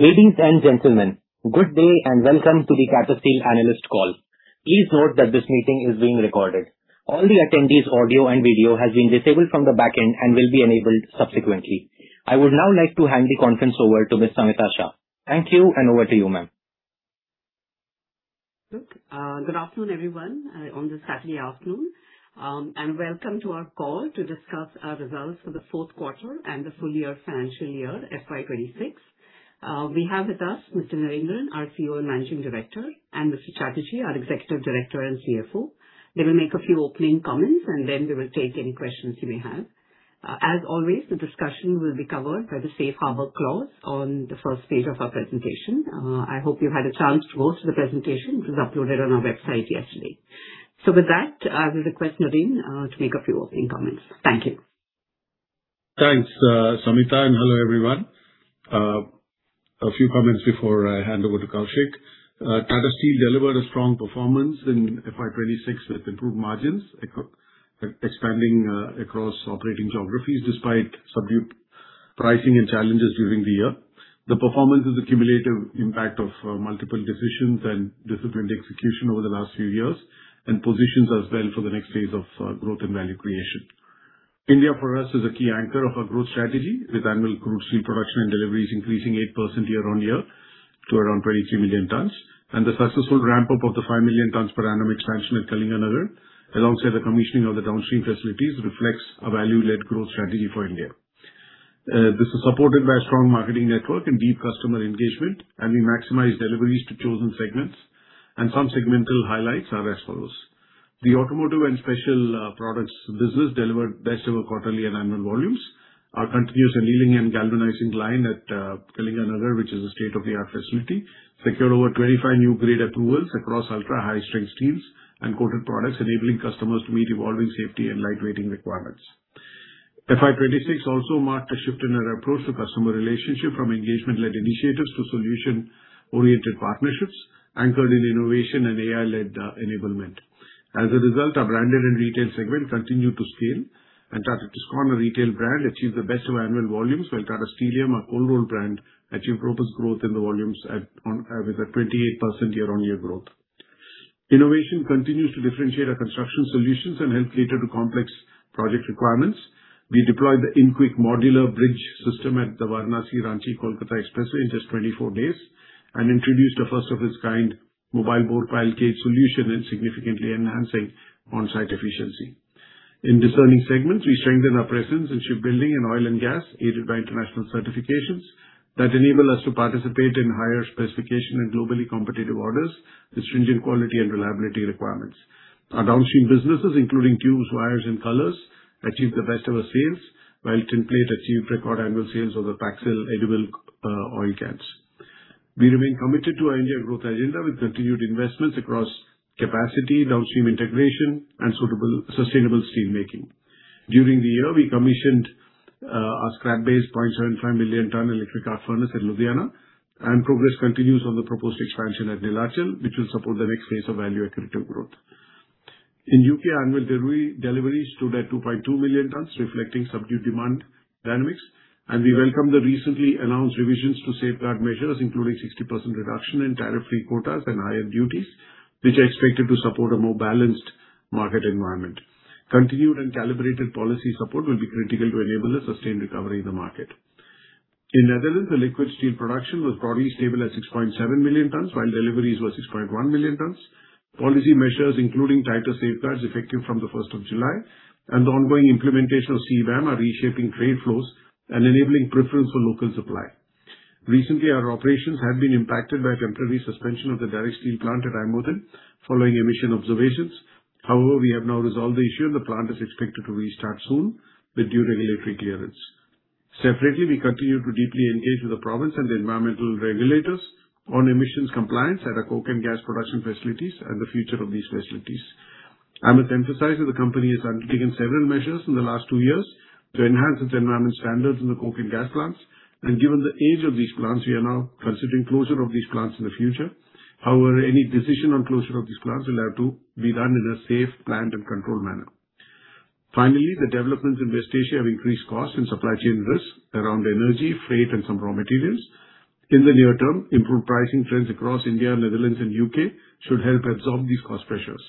Ladies and gentlemen, good day and welcome to the Tata Steel analyst call. Please note that this meeting is being recorded. All the attendees audio and video has been received from the backend and will be enabled subsequently. I would now like to hand the conference over to Ms. Samita Shah. Thank you, and over to you, ma'am. Good afternoon, everyone, on this Saturday afternoon. Welcome to our call to discuss our results for the 4th quarter and the full year financial year FY 2026. We have with us Mr. Narendran, our CEO and Managing Director, and Mr. Chatterjee, our Executive Director and CFO. They will make a few opening comments, and then we will take any questions you may have. As always, the discussion will be covered by the Safe Harbor Clause on the 1st page of our presentation. I hope you had a chance to go through the presentation. It was uploaded on our website yesterday. With that, I will request Naren to make a few opening comments. Thank you. Thanks, Samita, and hello, everyone. A few comments before I hand over to Koushik. Tata Steel delivered a strong performance in FY 2026 with improved margins, expanding across operating geographies despite subdued pricing and challenges during the year. The performance is a cumulative impact of multiple decisions and disciplined execution over the last few years and positions us well for the next phase of growth and value creation. India, for us, is a key anchor of our growth strategy, with annual crude steel production and deliveries increasing 8% year-on-year to around 23 million tons. The successful ramp-up of the 5 million tons per annum expansion at Kalinganagar, alongside the commissioning of the downstream facilities, reflects a value-led growth strategy for India. This is supported by a strong marketing network and deep customer engagement, and we maximize deliveries to chosen segments. Some segmental highlights are as follows: The automotive and special products business delivered best-ever quarterly and annual volumes. Our continuous annealing and galvanizing line at Kalinganagar, which is a state-of-the-art facility, secured over 25 new grade approvals across ultra-high-strength steels and coated products, enabling customers to meet evolving safety and light-weighting requirements. FY 2026 also marked a shift in our approach to customer relationship from engagement-led initiatives to solution-oriented partnerships anchored in innovation and AI-led enablement. As a result, our branded and retail segment continued to scale and Tata Tiscon retail brand achieved the best of annual volumes, while Tata Steelium, our cold-roll brand, achieved robust growth in the volumes with a 28% year-on-year growth. Innovation continues to differentiate our construction solutions and help cater to complex project requirements. We deployed the InQuik modular bridge system at the Varanasi-Ranchi-Kolkata Expressway in just 24 days and introduced a first of its kind Mobile Bore Pile Cage solution in significantly enhancing on-site efficiency. In discerning segments, we strengthen our presence in shipbuilding and oil and gas, aided by international certifications that enable us to participate in higher specification and globally competitive orders with stringent quality and reliability requirements. Our downstream businesses, including tubes, wires and colors, achieved the best ever sales, while Tinplate achieved record annual sales of the Paxel edible oil cans. We remain committed to our India growth agenda with continued investments across capacity, downstream integration and suitable sustainable steelmaking. During the year, we commissioned our scrap base 0.75 million ton electric arc furnace at Ludhiana, and progress continues on the proposed expansion at Neelachal, which will support the next phase of value accretive growth. In U.K., annual delivery stood at 2.2 million tons, reflecting subdued demand dynamics, and we welcome the recently announced revisions to safeguard measures, including 60% reduction in tariff free quotas and higher duties, which are expected to support a more balanced market environment. Continued and calibrated policy support will be critical to enable a sustained recovery in the market. In Netherlands, the liquid steel production was broadly stable at 6.7 million tons, while deliveries were 6.1 million tons. Policy measures, including tighter safeguards effective from the 1st of July and the ongoing implementation of CBAM, are reshaping trade flows and enabling preference for local supply. Recently, our operations have been impacted by a temporary suspension of the Direct Sheet Plant at IJmuiden following emission observations. However, we have now resolved the issue, and the plant is expected to restart soon with due regulatory clearance. Separately, we continue to deeply engage with the province and the environmental regulators on emissions compliance at our coke and gas production facilities and the future of these facilities. I must emphasize that the company has undertaken several measures in the last two years to enhance its environment standards in the coke and gas plants. Given the age of these plants, we are now considering closure of these plants in the future. However, any decision on closure of these plants will have to be done in a safe, planned and controlled manner. Primarily, the developments in West Asia have increased costs and supply chain risks around energy, freight and some raw materials. In the near term, improved pricing trends across India, Netherlands and U.K. should help absorb these cost pressures.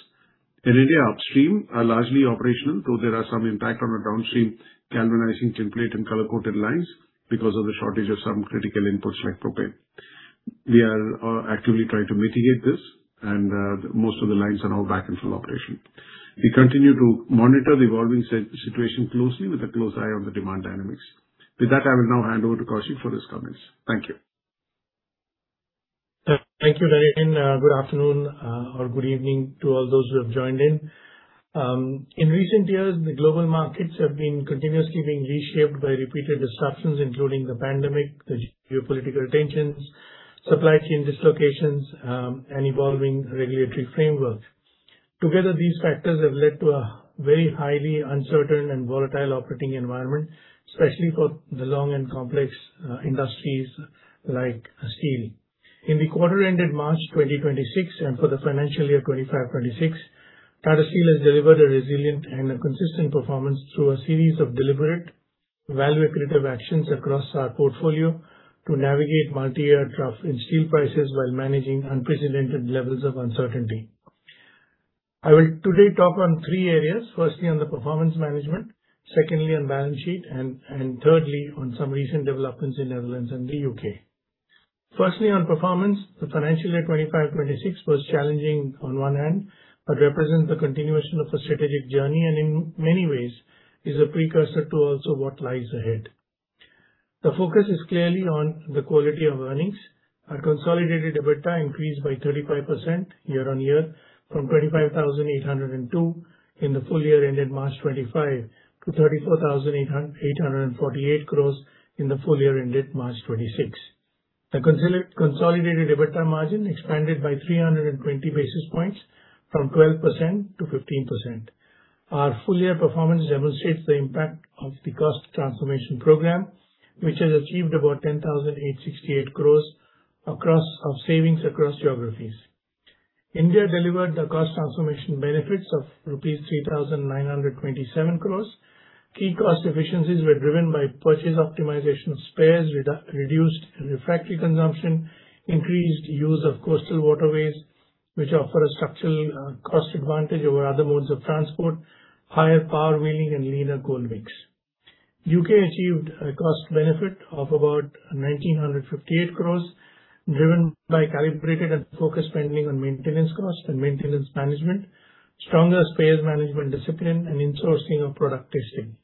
In India, upstream are largely operational, though there are some impact on our downstream galvanizing tinplate and color-coated lines because of the shortage of some critical inputs like propane. We are actively trying to mitigate this, and most of the lines are now back into operation. We continue to monitor the evolving situation closely with a close eye on the demand dynamics. With that, I will now hand over to Koushik for his comments. Thank you. Thank you, Naren. Good afternoon, or good evening to all those who have joined in. In recent years, the global markets have been continuously being reshaped by repeated disruptions, including the pandemic, the geopolitical tensions, supply chain dislocations, and evolving regulatory framework. Together, these factors have led to a very highly uncertain and volatile operating environment, especially for the long and complex industries like steel. In the quarter ended March 2026 and for the financial year 2025-2026, Tata Steel has delivered a resilient and a consistent performance through a series of deliberate, value-accretive actions across our portfolio to navigate multi-year trough in steel prices while managing unprecedented levels of uncertainty. I will today talk on three areas. Firstly, on the performance management, secondly on balance sheet, and thirdly, on some recent developments in Netherlands and the U.K. Firstly, on performance, the financial year 2025/2026 was challenging on one hand, represents the continuation of a strategic journey and in many ways is a precursor to also what lies ahead. The focus is clearly on the quality of earnings. Our consolidated EBITDA increased by 35% year-on-year from 25,802 in the full year ended March 2025 to 34,848 crores in the full year ended March 2026. The consolidated EBITDA margin expanded by 320 basis points from 12% to 15%. Our full year performance demonstrates the impact of the cost transformation program, which has achieved about 10,868 crores across our savings across geographies. India delivered the cost transformation benefits of rupees 3,927 crores. Key cost efficiencies were driven by purchase optimization of spares, reduced refractory consumption, increased use of coastal waterways, which offer a structural cost advantage over other modes of transport, higher power wheeling and leaner coal mix. U.K. achieved a cost benefit of about 1,958 crores, driven by calibrated and focused spending on maintenance costs and maintenance management, stronger spares management discipline, and insourcing of product testing.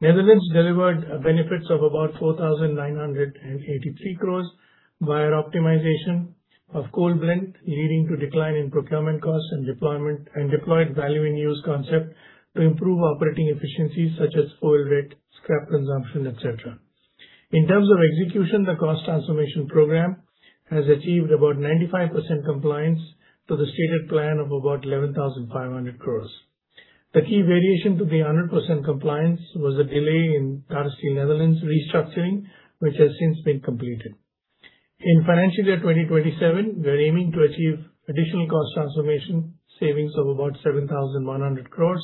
Netherlands delivered benefits of about 4,983 crores via optimization of coal blend, leading to decline in procurement costs and deployment, and deployed value in use concept to improve operating efficiencies such as fuel rate, scrap consumption, et cetera. In terms of execution, the cost transformation program has achieved about 95% compliance to the stated plan of about 11,500 crores. The key variation to the 100% compliance was a delay in Tata Steel Nederland restructuring, which has since been completed. In financial year 2027, we are aiming to achieve additional cost transformation savings of about 7,100 crores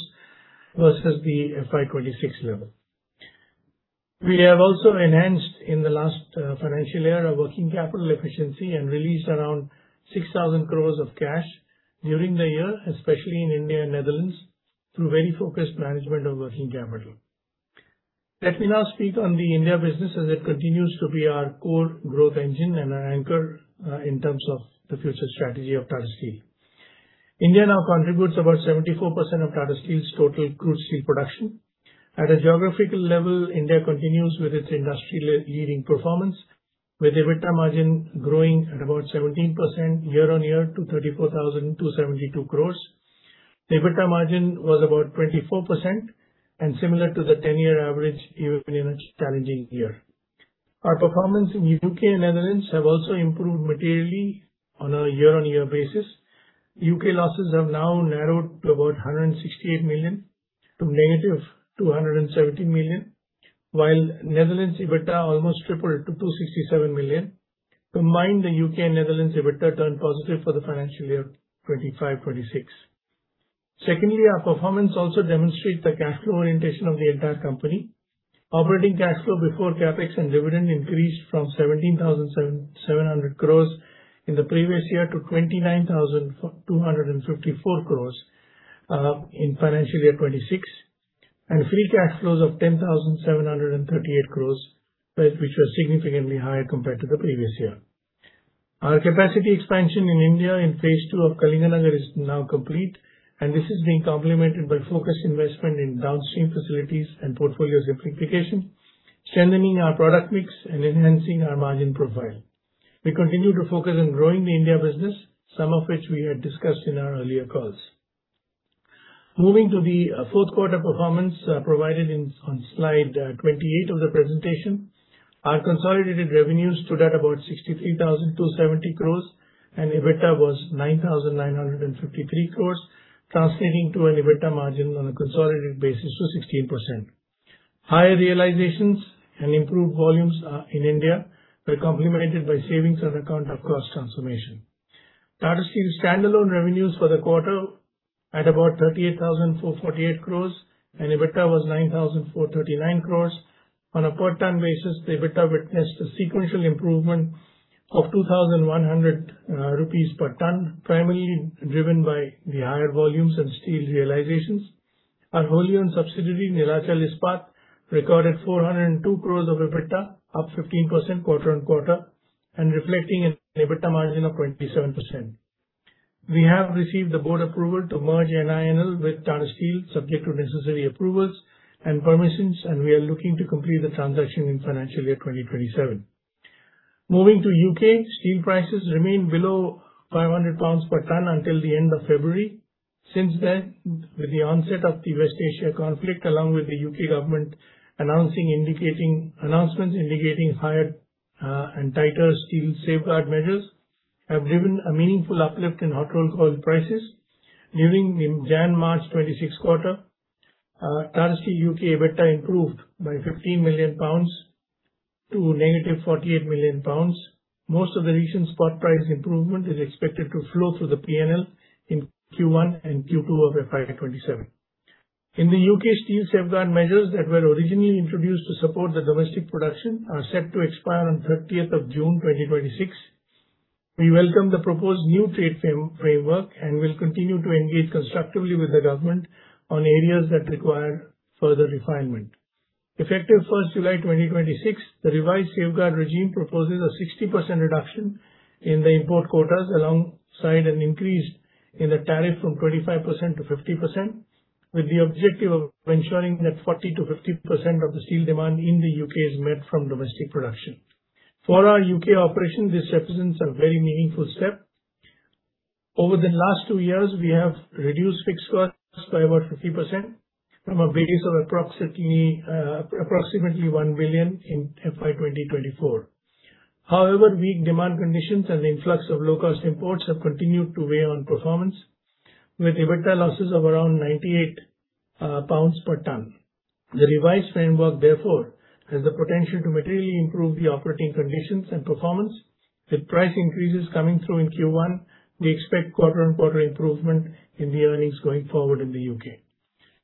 versus the FY 2026 level. We have also enhanced in the last financial year, our working capital efficiency and released around 6,000 crores of cash during the year, especially in India and Nederland, through very focused management of working capital. Let me now speak on the India business as it continues to be our core growth engine and our anchor in terms of the future strategy of Tata Steel. India now contributes about 74% of Tata Steel's total crude steel production. At a geographical level, India continues with its industrial leading performance, with EBITDA margin growing at about 17% year-on-year to 34,272 crores. The EBITDA margin was about 24% and similar to the 10-year average even in a challenging year. Our performance in U.K. and Netherlands have also improved materially on a year-on-year basis. U.K. losses have now narrowed to about 168 million to negative 270 million, while Netherlands EBITDA almost tripled to 267 million. Combined, the U.K. and Netherlands EBITDA turned positive for the financial year FY 2025/2026. Secondly, our performance also demonstrates the cash flow orientation of the entire company. Operating cash flow before CapEx and dividend increased from 17,700 crores in the previous year to 29,254 crores in FY 2026, and free cash flows of 10,738 crores, which was significantly higher compared to the previous year. Our capacity expansion in India in phase II of Kalinganagar is now complete, and this is being complemented by focused investment in downstream facilities and portfolio simplification, strengthening our product mix and enhancing our margin profile. We continue to focus on growing the India business, some of which we had discussed in our earlier calls. Moving to the fourth quarter performance provided in, on slide 28 of the presentation. Our consolidated revenues stood at about 63,270 crores and EBITDA was 9,953 crores, translating to an EBITDA margin on a consolidated basis to 16%. Higher realizations and improved volumes in India were complemented by savings on account of cost transformation. Tata Steel standalone revenues for the quarter at about 38,448 crores and EBITDA was 9,439 crores. On a per ton basis, the EBITDA witnessed a sequential improvement of 2,100 rupees per ton, primarily driven by the higher volumes and steel realizations. Our wholly owned subsidiary, Neelachal Ispat, recorded 402 crores of EBITDA, up 15% quarter-on-quarter, and reflecting an EBITDA margin of 27%. We have received the board approval to merge NINL with Tata Steel, subject to necessary approvals and permissions, and we are looking to complete the transaction in FY 2027. Moving to U.K., steel prices remained below 500 pounds per ton until the end of February. Since then, with the onset of the West Asia conflict, along with the U.K. government announcing announcements indicating higher and tighter steel safeguard measures, have driven a meaningful uplift in hot-rolled coil prices. During the Jan-March 2026 quarter, Tata Steel U.K. EBITDA improved by 15 million pounds, to negative 48 million pounds. Most of the recent spot price improvement is expected to flow through the P&L in Q1 and Q2 of FY 2027. In the U.K., steel safeguard measures that were originally introduced to support the domestic production are set to expire on 30th of June 2026. We welcome the proposed new trade framework and will continue to engage constructively with the government on areas that require further refinement. Effective July 2026, the revised safeguard regime proposes a 60% reduction in the import quotas alongside an increase in the tariff from 25%-50%, with the objective of ensuring that 40%-50% of the steel demand in the U.K. is met from domestic production. For our U.K. operation, this represents a very meaningful step. Over the last two years, we have reduced fixed costs by about 50% from a base of approximately 1 billion in FY 2024. However, weak demand conditions and the influx of low-cost imports have continued to weigh on performance with EBITDA losses of around 98 pounds per ton. The revised framework, therefore, has the potential to materially improve the operating conditions and performance. With price increases coming through in Q1, we expect quarter-on-quarter improvement in the earnings going forward in the U.K.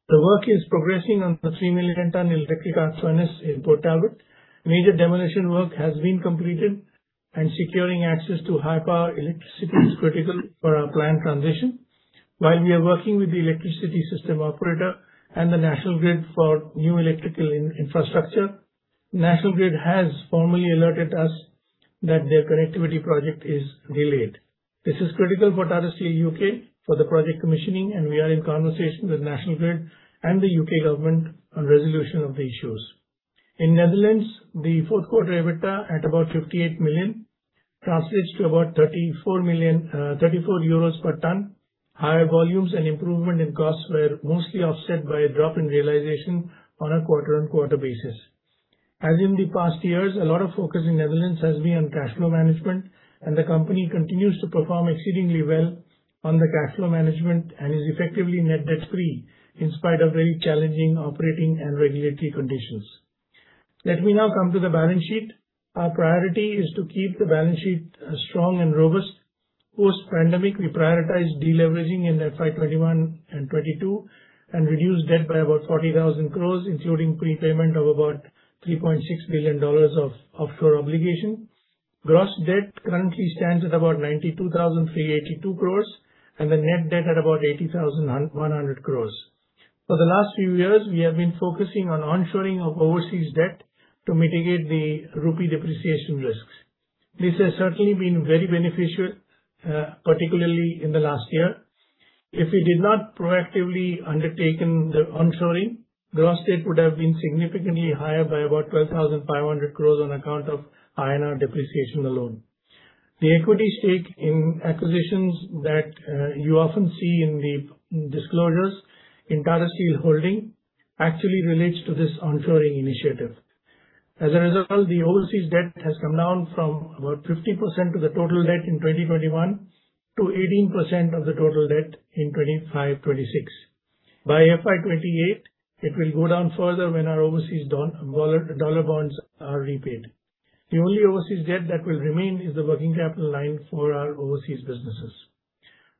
The work is progressing on the 3 million ton electric arc furnace in Port Talbot. Major demolition work has been completed, and securing access to high power electricity is critical for our planned transition. While we are working with the electricity system operator and the National Grid for new electrical infrastructure, National Grid has formally alerted us that their connectivity project is delayed. This is critical for Tata Steel U.K. for the project commissioning, we are in conversation with National Grid and the U.K. government on resolution of the issues. In Netherlands, the fourth quarter EBITDA at about 58 million translates to about 34 per ton. Higher volumes and improvement in costs were mostly offset by a drop in realization on a quarter-on-quarter basis. As in the past years, a lot of focus in Netherlands has been on cash flow management, and the company continues to perform exceedingly well on the cash flow management and is effectively net debt-free in spite of very challenging operating and regulatory conditions. Let me now come to the balance sheet. Our priority is to keep the balance sheet strong and robust. Post-pandemic, we prioritized deleveraging in FY 2021 and 2022 and reduced debt by about 40,000 crores, including prepayment of about $3.6 billion of offshore obligation. Gross debt currently stands at about 92,382 crores and the net debt at about 80,100 crores. For the last few years, we have been focusing on onshoring of overseas debt to mitigate the rupee depreciation risks. This has certainly been very beneficial, particularly in the last year. If we did not proactively undertaken the onshoring, gross debt would have been significantly higher by about 12,500 crores on account of INR depreciation alone. The equity stake in acquisitions that you often see in the disclosures in Tata Steel Holding actually relates to this onshoring initiative. As a result, the overseas debt has come down from about 50% of the total debt in 2021 to 18% of the total debt in 2025-2026. By FY 2028, it will go down further when our overseas dollar bonds are repaid. The only overseas debt that will remain is the working capital line for our overseas businesses.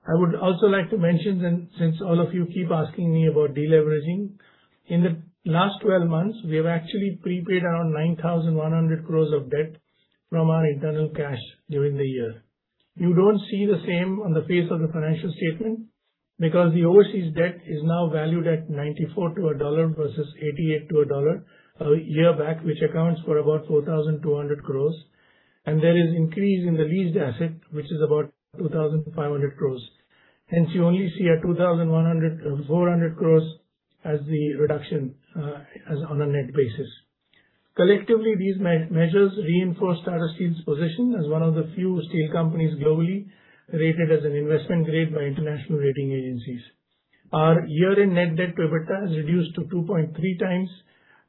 I would also like to mention, since all of you keep asking me about deleveraging, in the last 12 months, we have actually prepaid around 9,100 crores of debt from our internal cash during the year. You don't see the same on the face of the financial statement because the overseas debt is now valued at 94 to a dollar versus 88 to a dollar a year back, which accounts for about 4,200 crores. There is increase in the leased asset, which is about 2,500 crores. Hence, you only see 2,400 crores as the reduction as on a net basis. Collectively, these measures reinforce Tata Steel's position as one of the few steel companies globally rated as an investment grade by international rating agencies. Our year-end net debt to EBITDA has reduced to 2.3 times,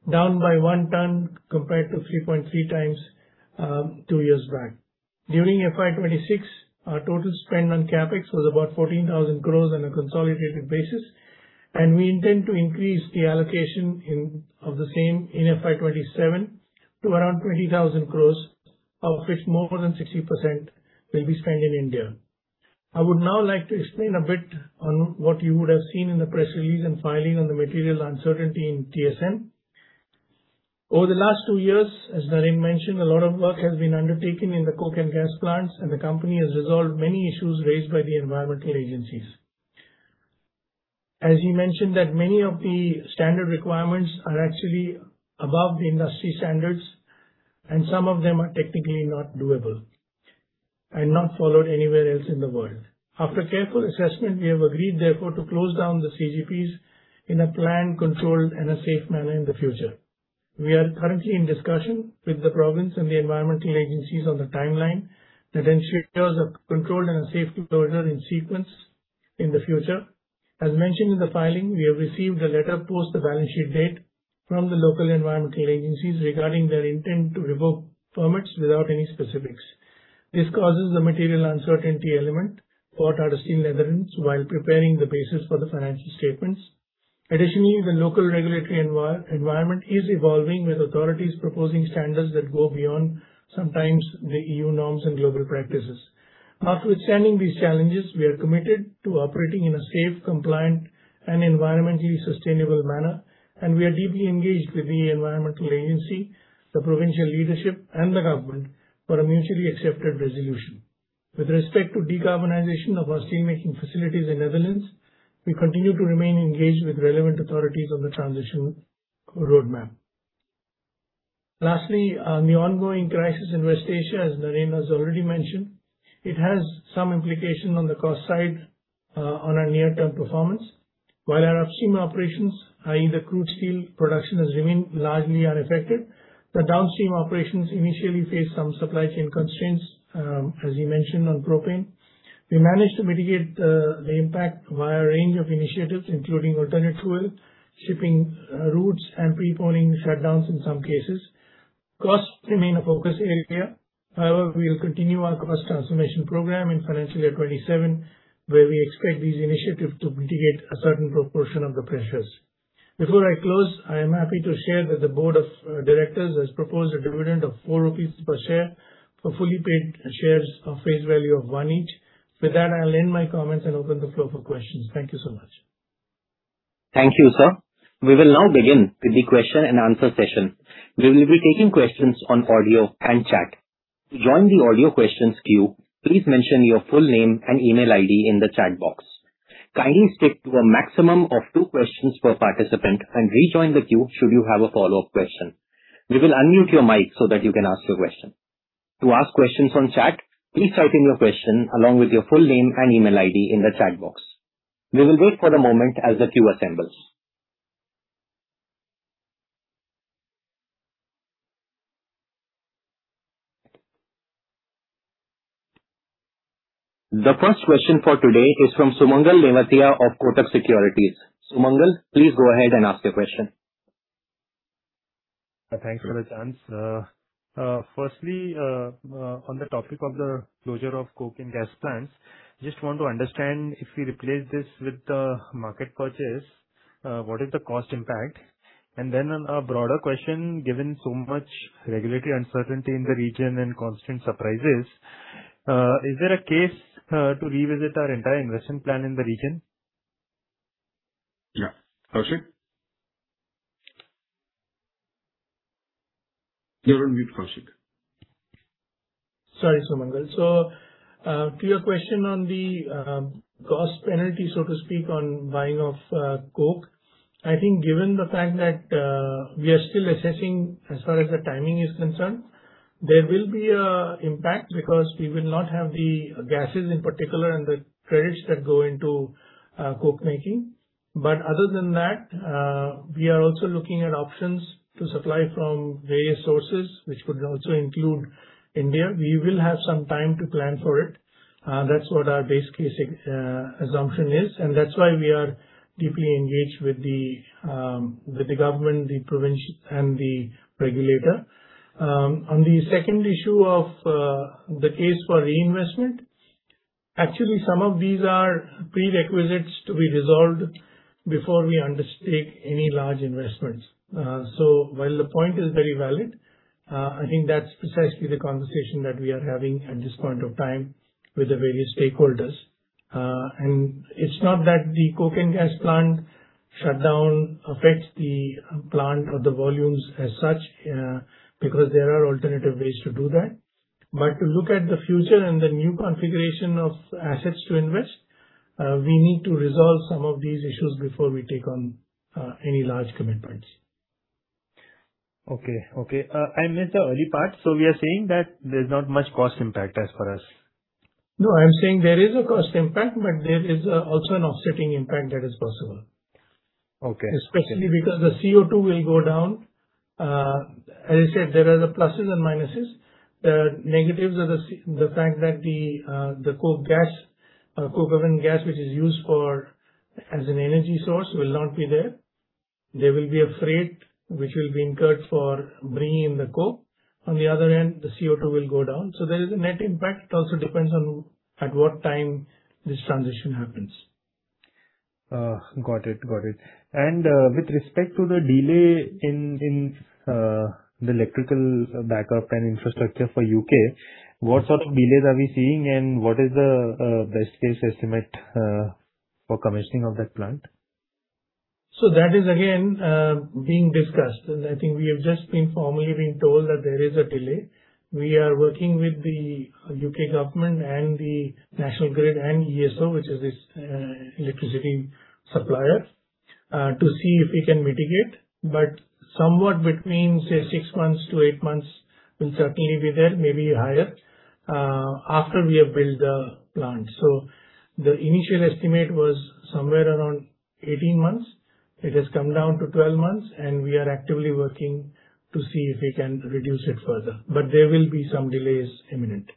down by 1 ton compared to 3.3 times, two years back. During FY 2026, our total spend on CapEx was about 14,000 crores on a consolidated basis, and we intend to increase the allocation of the same in FY 2027 to around 20,000 crores, of which more than 60% will be spent in India. I would now like to explain a bit on what you would have seen in the press release and filing on the material uncertainty in TSN. Over the last two years, as Naren mentioned, a lot of work has been undertaken in the coke and gas plants, and the company has resolved many issues raised by the environmental agencies. As you mentioned that many of the standard requirements are actually above the industry standards, and some of them are technically not doable and not followed anywhere else in the world. After careful assessment, we have agreed therefore to close down the CGPs in a planned, controlled, and a safe manner in the future. We are currently in discussion with the province and the environmental agencies on the timeline that ensures a controlled and a safe closure in sequence in the future. As mentioned in the filing, we have received a letter post the balance sheet date from the local environmental agencies regarding their intent to revoke permits without any specifics. This causes a material uncertainty element [Port Artus, Netherlands], while preparing the basis for the financial statements. Additionally, the local regulatory environment is evolving with authorities proposing standards that go beyond sometimes the EU norms and global practices. Notwithstanding these challenges, we are committed to operating in a safe, compliant, and environmentally sustainable manner, and we are deeply engaged with the environmental agency, the provincial leadership, and the government for a mutually accepted resolution. With respect to decarbonization of our steelmaking facilities in Netherlands, we continue to remain engaged with relevant authorities on the transition roadmap. Lastly, the ongoing crisis in West Asia, as Naren has already mentioned, it has some implication on the cost side on our near-term performance. While our upstream operations, i.e., the crude steel production, has remained largely unaffected, the downstream operations initially faced some supply chain constraints, as you mentioned, on propane. We managed to mitigate the impact via a range of initiatives, including alternate fuel, shipping routes, and preponing shutdowns in some cases. Costs remain a focus area. However, we will continue our cost transformation program in financial year 2027, where we expect these initiatives to mitigate a certain proportion of the pressures. Before I close, I am happy to share that the board of directors has proposed a dividend of 4 rupees per share for fully paid shares of face value of one each. With that, I'll end my comments and open the floor for questions. Thank you so much. Thank you, sir. We will now begin with the question-and-answer session. We will be taking questions on audio and chat. To join the audio questions queue, please mention your full name and email ID in the chat box. Kindly stick to a maximum of two questions per participant and rejoin the queue should you have a follow-up question. We will unmute your mic so that you can ask your question. To ask questions on chat, please type in your question along with your full name and email ID in the chat box. We will wait for a moment as the queue assembles. The first question for today is from Sumangal Nevatia of Kotak Securities. Sumangal, please go ahead and ask your question. Thanks for the chance. firstly, on the topic of the closure of coke and gas plants, just want to understand if we replace this with the market purchase, what is the cost impact? On a broader question, given so much regulatory uncertainty in the region and constant surprises, is there a case to revisit our entire investment plan in the region? Yeah. Koushik? You're on mute, Koushik. Sorry, Sumangal. To your question on the cost penalty, so to speak, on buying of coke, I think given the fact that we are still assessing as far as the timing is concerned, there will be a impact because we will not have the gases in particular and the credits that go into coke making. Other than that, we are also looking at options to supply from various sources, which would also include India. We will have some time to plan for it. That's what our base case assumption is, and that's why we are deeply engaged with the government, the province, and the regulator. On the second issue of the case for reinvestment, actually some of these are prerequisites to be resolved before we undertake any large investments. While the point is very valid, I think that's precisely the conversation that we are having at this point of time with the various stakeholders. It's not that the coke and gas plant shutdown affects the plant or the volumes as such, because there are alternative ways to do that. To look at the future and the new configuration of assets to invest, we need to resolve some of these issues before we take on any large commitments. Okay. Okay. I meant the early part. We are saying that there's not much cost impact as for us. No, I'm saying there is a cost impact, but there is also an offsetting impact that is possible. Okay. Especially because the CO2 will go down. As I said, there are the pluses and minuses. The negatives are the fact that the coke gas, coke oven gas, which is used for as an energy source will not be there. There will be a freight which will be incurred for bringing in the coke. On the other end, the CO2 will go down. There is a net impact. It also depends on at what time this transition happens. Got it. With respect to the delay in the electrical backup and infrastructure for U.K., what sort of delays are we seeing and what is the best case estimate for commissioning of that plant? That is again being discussed. I think we have just been formally being told that there is a delay. We are working with the U.K. government and the National Grid and ESO, which is this electricity supplier, to see if we can mitigate. Somewhat between, say, six months to eight months will certainly be there, maybe higher, after we have built the plant. The initial estimate was somewhere around 18 months. It has come down to 12 months, and we are actively working to see if we can reduce it further. There will be some delays imminent.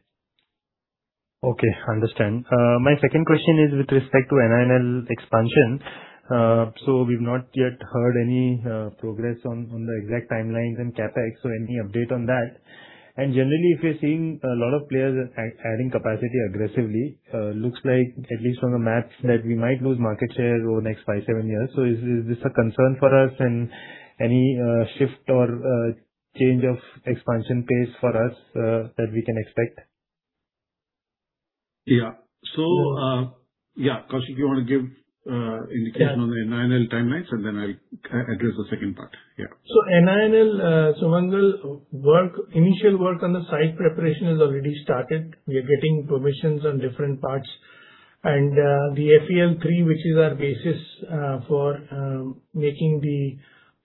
Okay, understand. My second question is with respect to NINL expansion. We've not yet heard any progress on the exact timelines and CapEx, so any update on that? Generally, if you're seeing a lot of players adding capacity aggressively, looks like at least on the maps that we might lose market share over the next five, seven years. Is this a concern for us and any shift or change of expansion pace for us that we can expect? Yeah. Yeah, Koushik, you wanna give indication- Yeah. on the NINL timelines, and then I'll address the second part. Yeah. NINL, Sumangal, initial work on the site preparation has already started. We are getting permissions on different parts. The FEL3, which is our basis for making the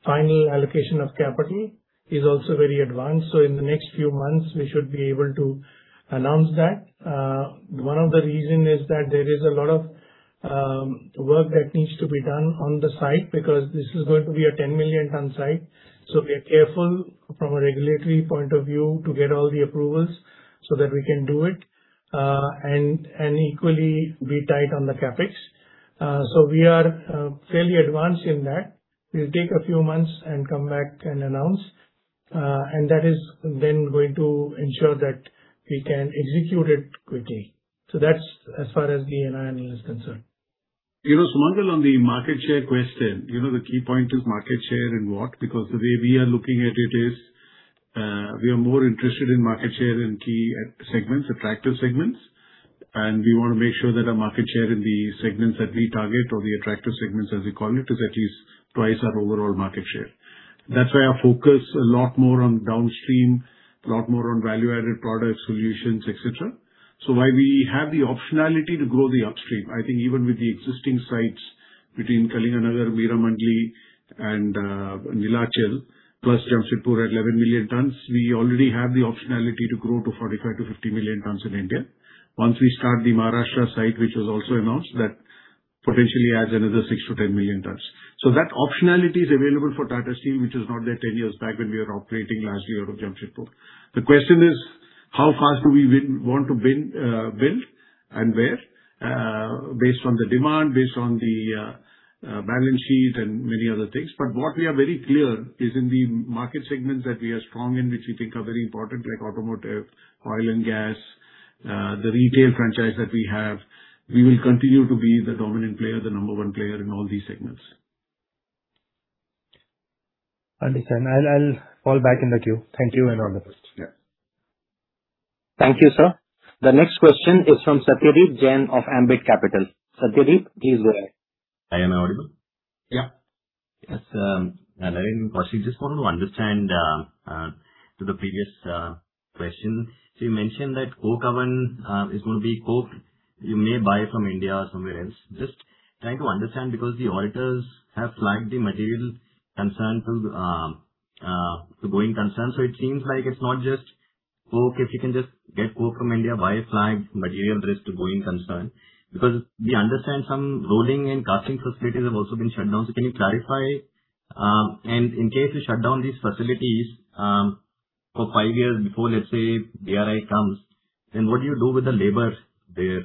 final allocation of capital, is also very advanced. In the next few months we should be able to announce that. One of the reason is that there is a lot of work that needs to be done on the site because this is going to be a 10 million ton site. We are careful from a regulatory point of view to get all the approvals so that we can do it and equally be tight on the CapEx. We are fairly advanced in that. We'll take a few months and come back and announce, and that is then going to ensure that we can execute it quickly. That's as far as the NINL is concerned. You know, Sumangal, on the market share question, you know the key point is market share in what? The way we are looking at it is, we are more interested in market share in key segments, attractive segments, and we wanna make sure that our market share in the segments that we target or the attractive segments, as we call it, is at least twice our overall market share. That's why our focus a lot more on downstream, a lot more on value-added products, solutions, et cetera. While we have the optionality to grow the upstream, I think even with the existing sites between Kalinganagar, Viramgali and Neelachal, plus Jamshedpur at 11 million tons, we already have the optionality to grow to 45 million-50 million tons in India. Once we start the Maharashtra site, which was also announced, that potentially adds another 6 million-10 million tons. That optionality is available for Tata Steel, which is not there 10 years back when we were operating last year out of Jamshedpur. The question is how fast do we want to build and where, based on the demand, based on the balance sheet and many other things. What we are very clear is in the market segments that we are strong in, which we think are very important, like automotive, oil and gas, the retail franchise that we have, we will continue to be the dominant player, the number 1 player in all these segments. Understand. I'll fall back in the queue. Thank you and all the best. Yeah. Thank you, sir. The next question is from Satyadeep Jain of Ambit Capital. Satyadeep, please go ahead. I am audible? Yeah. Learning Koushik, just want to understand to the previous question. You mentioned that coke oven is gonna be coked. You may buy from India or somewhere else. Just trying to understand because the auditors have flagged the material concern from the going concern. It seems like it's not just coke. If you can just get coke from India, why flag material risk to going concern? Because we understand some rolling and casting facilities have also been shut down. Can you clarify, and in case you shut down these facilities for five years before, let's say, DRI comes, then what do you do with the labor there?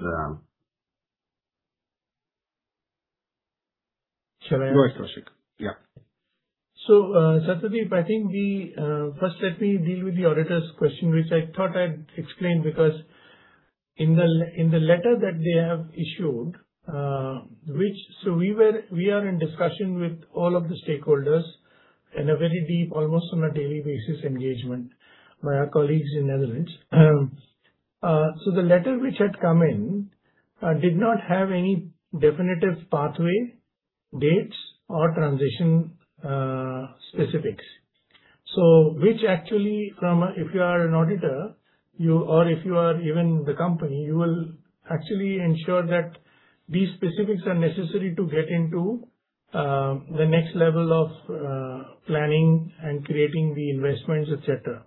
Shall I- Go ahead, Koushik. Yeah. Satyadeep, I think the, first let me deal with the auditor's question, which I thought I'd explained because in the letter that they have issued. We are in discussion with all of the stakeholders in a very deep, almost on a daily basis engagement by our colleagues in Nederland. The letter which had come in did not have any definitive pathway, dates or transition specifics. Which actually from a, if you are an auditor, you, or if you are even the company, you will actually ensure that these specifics are necessary to get into the next level of planning and creating the investments, et cetera.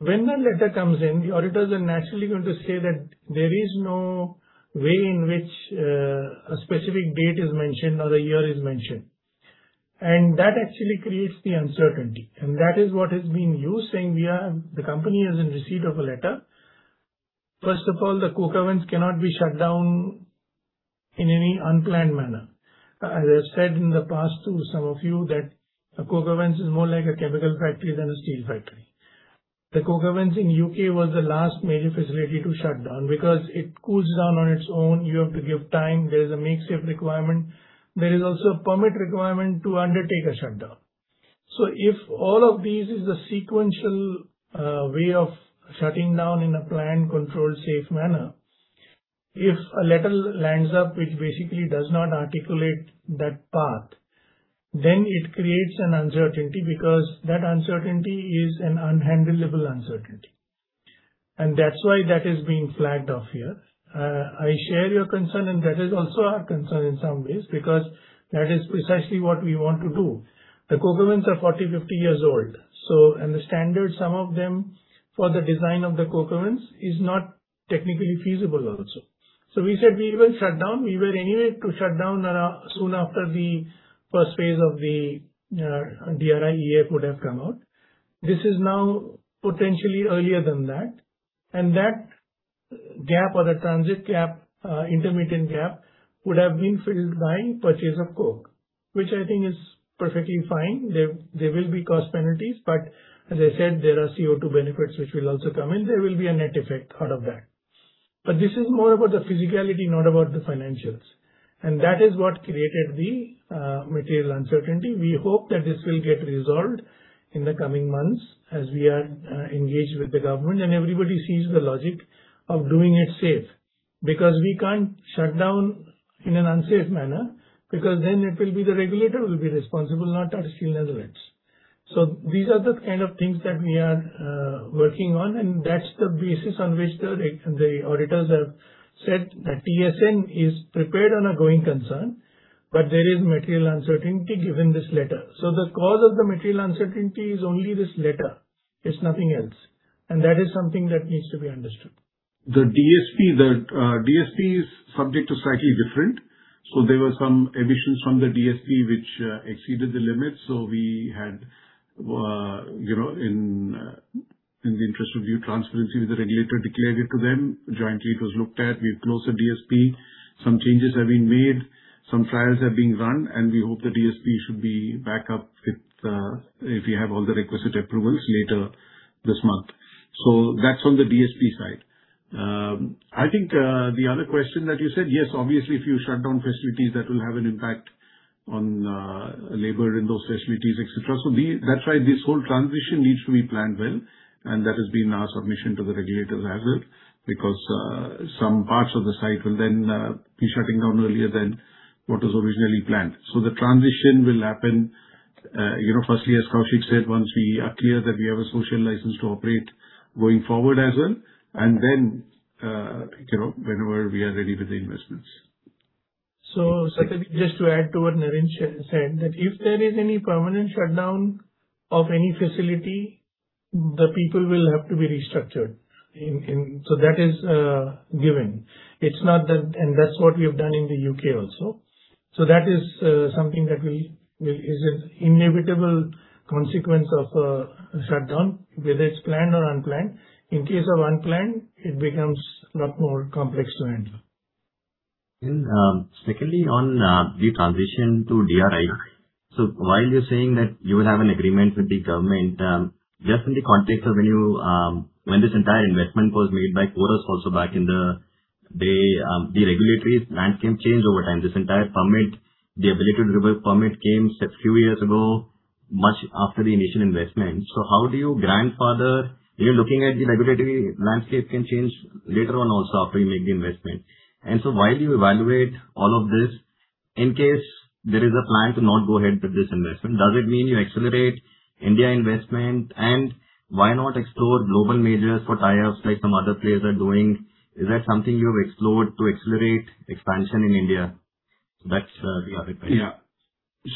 When the letter comes in, the auditors are naturally going to say that there is no way in which a specific date is mentioned or the year is mentioned. That actually creates the uncertainty, and that is what is being used, saying the company is in receipt of a letter. First of all, the coke ovens cannot be shut down in any unplanned manner. As I said in the past to some of you that a coke ovens is more like a chemical factory than a steel factory. The coke ovens in U.K. was the last major facility to shut down because it cools down on its own. You have to give time. There is a mix requirement. There is also a permit requirement to undertake a shutdown. If all of these is the sequential way of shutting down in a planned, controlled, safe manner, if a letter lands up which basically does not articulate that path, then it creates an uncertainty because that uncertainty is an unhandleable uncertainty. That's why that is being flagged off here. I share your concern, and that is also our concern in some ways because that is precisely what we want to do. The coke ovens are 40, 50 years old, and the standard some of them for the design of the coke ovens is not technically feasible also. We said we will shut down. We were anyway to shut down soon after the first phase of the DRI EAF would have come out. This is now potentially earlier than that. That gap or the transit gap, intermittent gap would have been filled by purchase of coke, which I think is perfectly fine. There, there will be cost penalties, but as I said, there are CO2 benefits which will also come in. There will be a net effect out of that. This is more about the physicality, not about the financials. That is what created the material uncertainty. We hope that this will get resolved in the coming months as we are engaged with the government and everybody sees the logic of doing it safe, because we can't shut down in an unsafe manner because then it will be the regulator will be responsible, not ArcelorMittal Netherlands. These are the kind of things that we are working on, and that's the basis on which the auditors have said that TSN is prepared on a going concern, but there is material uncertainty given this letter. The cause of the material uncertainty is only this letter. It's nothing else, and that is something that needs to be understood. The DSP, the DSP's subject is slightly different. There were some emissions from the DSP which exceeded the limits. We had, you know, in the interest of due transparency with the regulator, declared it to them jointly it was looked at. We've closed the DSP. Some changes have been made, some trials have been run, and we hope the DSP should be back up with if we have all the requisite approvals later this month. That's on the DSP side. I think the other question that you said, yes, obviously if you shut down facilities that will have an impact on labor in those facilities, et cetera. That's why this whole transition needs to be planned well, and that has been our submission to the regulators as well, because some parts of the site will then be shutting down earlier than what was originally planned. The transition will happen, you know, firstly, as Koushik said, once we are clear that we have a social license to operate going forward as well, and then, you know, whenever we are ready with the investments. Satyadeep, just to add to what T. V. Narendran said, that if there is any permanent shutdown of any facility, the people will have to be restructured in. That is given. It's not that. That's what we have done in the U.K. also. That is something that will Is an inevitable consequence of shutdown, whether it's planned or unplanned. In case of unplanned, it becomes lot more complex to handle. Secondly, on the transition to DRI. While you're saying that you will have an agreement with the government, just in the context of when you, when this entire investment was made by owners also back in the day, the regulatory landscape changed over time. This entire permit, the ability to build permit came few years ago, much after the initial investment. How do you grandfather? You're looking at the regulatory landscape can change later on also after you make the investment. While you evaluate all of this, in case there is a plan to not go ahead with this investment, does it mean you accelerate India investment? Why not explore global majors for tie-ups like some other players are doing? Is that something you have explored to accelerate expansion in India? That's your reply.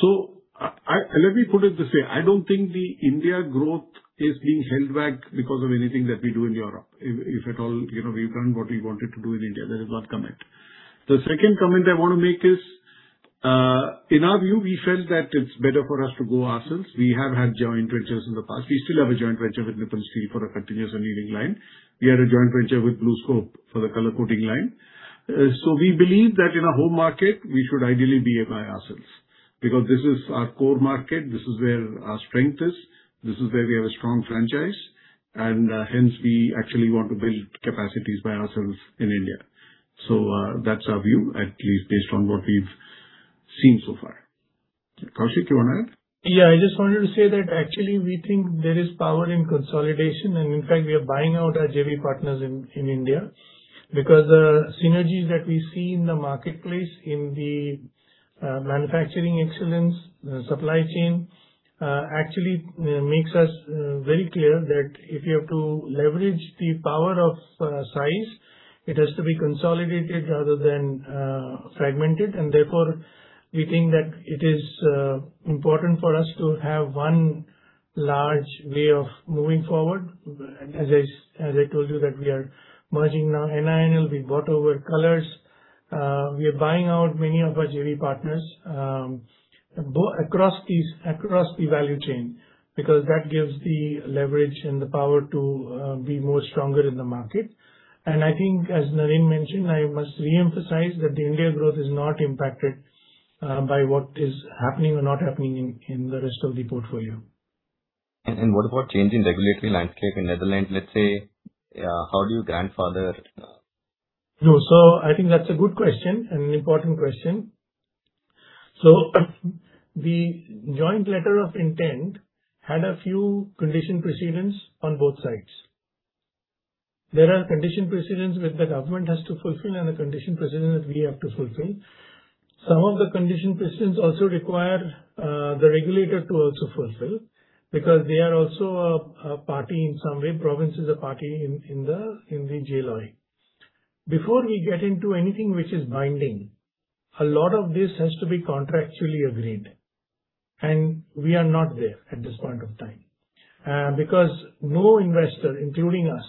Let me put it this way. I don't think the India growth is being held back because of anything that we do in Europe. If at all, you know, we've done what we wanted to do in India, that has not come yet. The second comment I want to make is, in our view, we felt that it's better for us to go ourselves. We have had joint ventures in the past. We still have a joint venture with Nippon Steel for our continuous annealing line. We had a joint venture with BlueScope for the color coating line. We believe that in our home market we should ideally be by ourselves because this is our core market, this is where our strength is, this is where we have a strong franchise, and hence we actually want to build capacities by ourselves in India. That's our view, at least based on what we've seen so far. Koushik, you wanna add? Yeah, I just wanted to say that actually we think there is power in consolidation, and in fact we are buying out our JV partners in India because the synergies that we see in the marketplace in the manufacturing excellence, supply chain, actually makes us very clear that if you have to leverage the power of size, it has to be consolidated rather than fragmented. Therefore, we think that it is important for us to have one large way of moving forward. As I told you that we are merging now NINL, we bought over Colors. We are buying out many of our JV partners, across these, across the value chain because that gives the leverage and the power to be more stronger in the market. I think as Naren mentioned, I must reemphasize that the India growth is not impacted by what is happening or not happening in the rest of the portfolio. What about change in regulatory landscape in Netherlands, let's say, how do you grandfather? No. I think that's a good question and an important question. The Joint Letter of Intent had a few condition precedents on both sides. There are condition precedents which the government has to fulfill and a condition precedent that we have to fulfill. Some of the condition precedents also require the regulator to also fulfill because they are also a party in some way. Province is a party in the JLOI. Before we get into anything which is binding, a lot of this has to be contractually agreed. We are not there at this point of time because no investor, including us,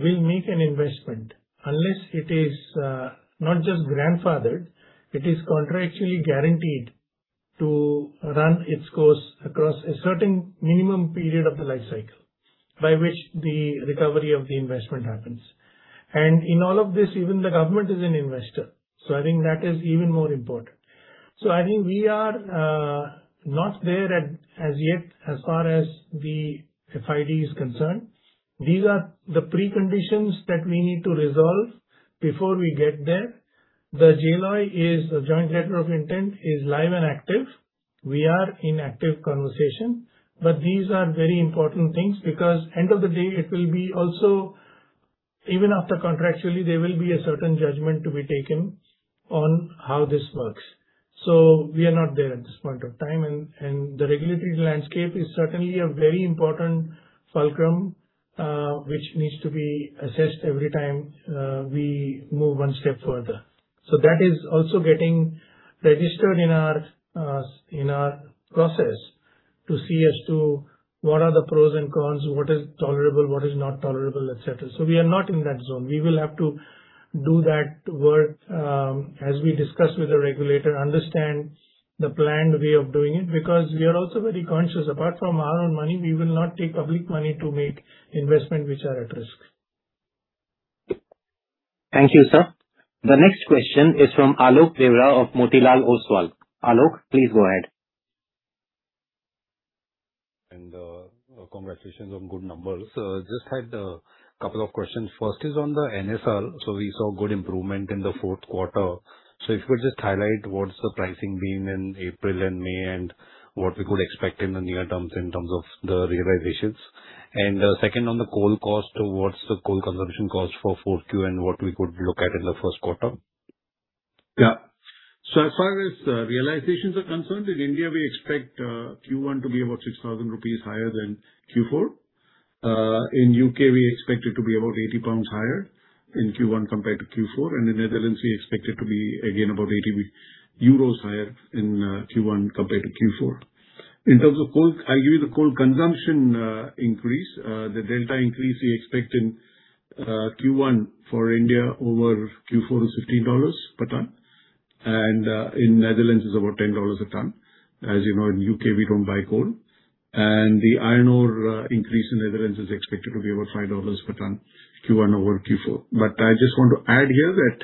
will make an investment unless it is not just grandfathered, it is contractually guaranteed to run its course across a certain minimum period of the life cycle by which the recovery of the investment happens. In all of this, even the government is an investor, so I think that is even more important. I think we are not there as yet, as far as the FID is concerned. These are the preconditions that we need to resolve before we get there. The JLOI is, the Joint Letter of Intent, is live and active. We are in active conversation. These are very important things because end of the day it will be also even after contractually, there will be a certain judgment to be taken on how this works. We are not there at this point of time and the regulatory landscape is certainly a very important fulcrum, which needs to be assessed every time we move one step further. That is also getting registered in our in our process to see as to what are the pros and cons, what is tolerable, what is not tolerable, et cetera. We are not in that zone. We will have to do that work as we discuss with the regulator, understand the planned way of doing it, because we are also very conscious. Apart from our own money, we will not take public money to make investment which are at risk. Thank you, sir. The next question is from Alok Deora of Motilal Oswal. Alok, please go ahead. Congratulations on good numbers. Just had a couple of questions. First is on the NSR. We saw good improvement in the fourth quarter. If you could just highlight what's the pricing been in April and May and what we could expect in the near terms in terms of the realizations. Second on the coal cost, what's the coal consumption cost for Q4 and what we could look at in the first quarter? As far as realizations are concerned, in India, we expect Q1 to be about 6,000 rupees higher than Q4. In U.K., we expect it to be about 80 pounds higher in Q1 compared to Q4. In Netherlands, we expect it to be again about 80 euros higher in Q1 compared to Q4. In terms of coal, I give you the coal consumption increase. The delta increase we expect in Q1 for India over Q4 is $15 per ton. In Netherlands is about $10 a ton. As you know, in U.K. we don't buy coal. The iron ore increase in Netherlands is expected to be about $5 per ton Q1 over Q4. I just want to add here that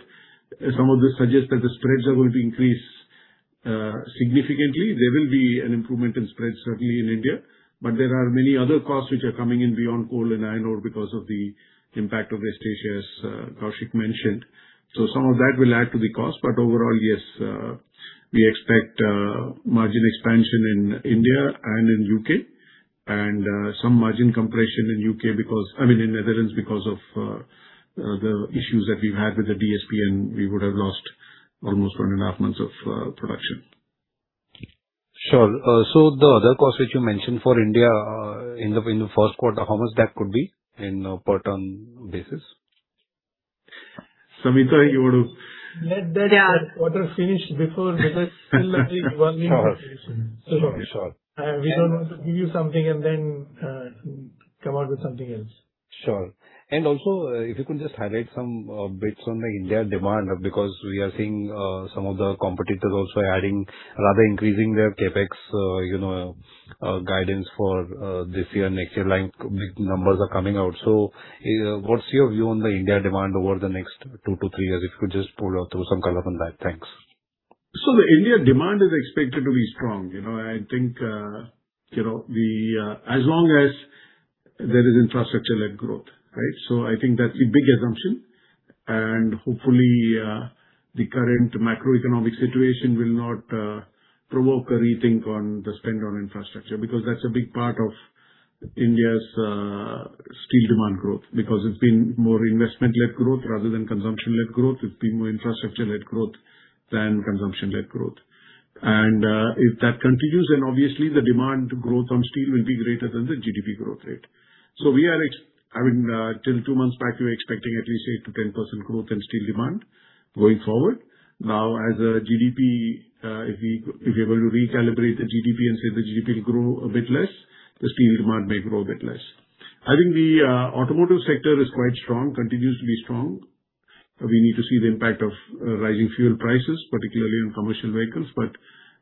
some of the suggest that the spreads are going to increase significantly. There will be an improvement in spreads certainly in India, but there are many other costs which are coming in beyond coal and iron ore because of the impact of West Asia as Koushik mentioned. Some of that will add to the cost. Overall, yes, we expect margin expansion in India and in U.K. and some margin compression in U.K. because I mean, in Netherlands because of the issues that we've had with the BSP and we would have lost almost one and a half months of production. Sure. The other cost which you mentioned for India, in the first quarter, how much that could be in per ton basis? Samita, let that quarter finish before because still there is one more quarter. Sure. Sure. We don't want to give you something and then come out with something else. Sure. Also, if you could just highlight some bits on the India demand, because we are seeing some of the competitors also adding, rather increasing their CapEx guidance for this year, next year line. Big numbers are coming out. What's your view on the India demand over the next 2-3 years? If you could just pull out through some color on that. Thanks. The India demand is expected to be strong. You know, I think, you know, as long as there is infrastructure-led growth, right? I think that's a big assumption. Hopefully, the current macroeconomic situation will not provoke a rethink on the spend on infrastructure, because that's a big part of India's steel demand growth, because it's been more investment-led growth rather than consumption-led growth. It's been more infrastructure-led growth than consumption-led growth. If that continues, then obviously the demand growth on steel will be greater than the GDP growth rate. We are I mean, till two months back, we were expecting at least 8%-10% growth in steel demand going forward. Now, as a GDP, if we were to recalibrate the GDP and say the GDP will grow a bit less, the steel demand may grow a bit less. I think the automotive sector is quite strong, continues to be strong. We need to see the impact of rising fuel prices, particularly in commercial vehicles.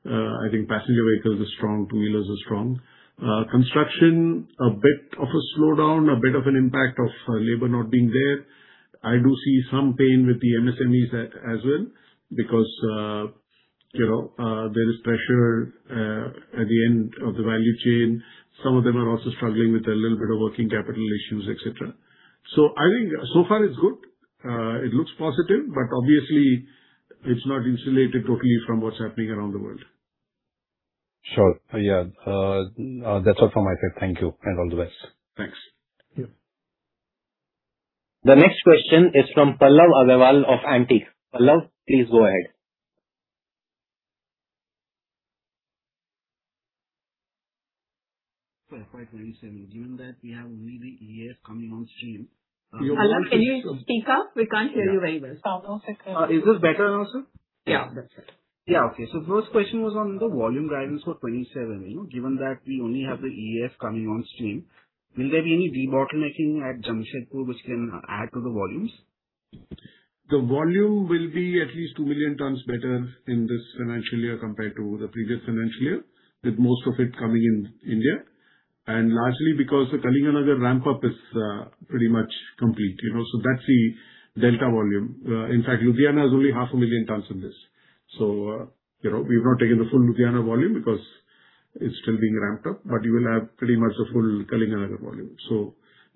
I think passenger vehicles are strong, two-wheelers are strong. Construction, a bit of a slowdown, a bit of an impact of labor not being there. I do see some pain with the MSMEs as well because, you know, there is pressure at the end of the value chain. Some of them are also struggling with a little bit of working capital issues, et cetera. I think so far it's good. It looks positive, but obviously it's not insulated totally from what's happening around the world. Sure. Yeah. That's all from my side. Thank you and all the best. Thanks. The next question is from Pallav Agarwal of Antique. Pallav, please go ahead. For FY 2027, given that we have only the EF coming on stream. Pallav, can you speak up? We can't hear you very well. Yeah. Pallav, Is this better now, sir? Yeah, that's it. Yeah. Okay. First question was on the volume guidance for 2027, you know, given that we only have the EF coming on stream. Will there be any debottlenecking at Jamshedpur which can add to the volumes? The volume will be at least 2 million tons better in this financial year compared to the previous financial year, with most of it coming in India. Largely because the Kalinganagar ramp up is pretty much complete, you know. That's the delta volume. In fact, Ludhiana is only half a million tons of this. You know, we've not taken the full Ludhiana volume because it's still being ramped up. You will have pretty much the full Kalinganagar volume.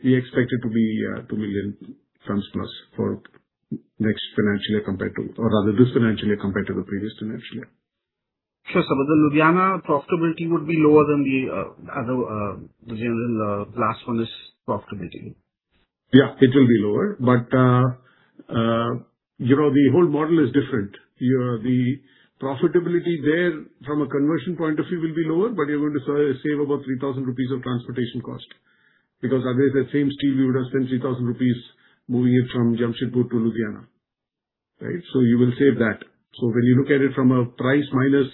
We expect it to be 2 million tons plus for next financial year compared to or rather this financial year compared to the previous financial year. Sure, sir. The Ludhiana profitability would be lower than the general blast furnace profitability. Yeah, it will be lower. You know, the whole model is different. The profitability there from a conversion point of view will be lower, but you're going to save about 3,000 rupees of transportation cost. Otherwise that same steel you would have spent 3,000 rupees moving it from Jamshedpur to Ludhiana. Right? You will save that. When you look at it from a price minus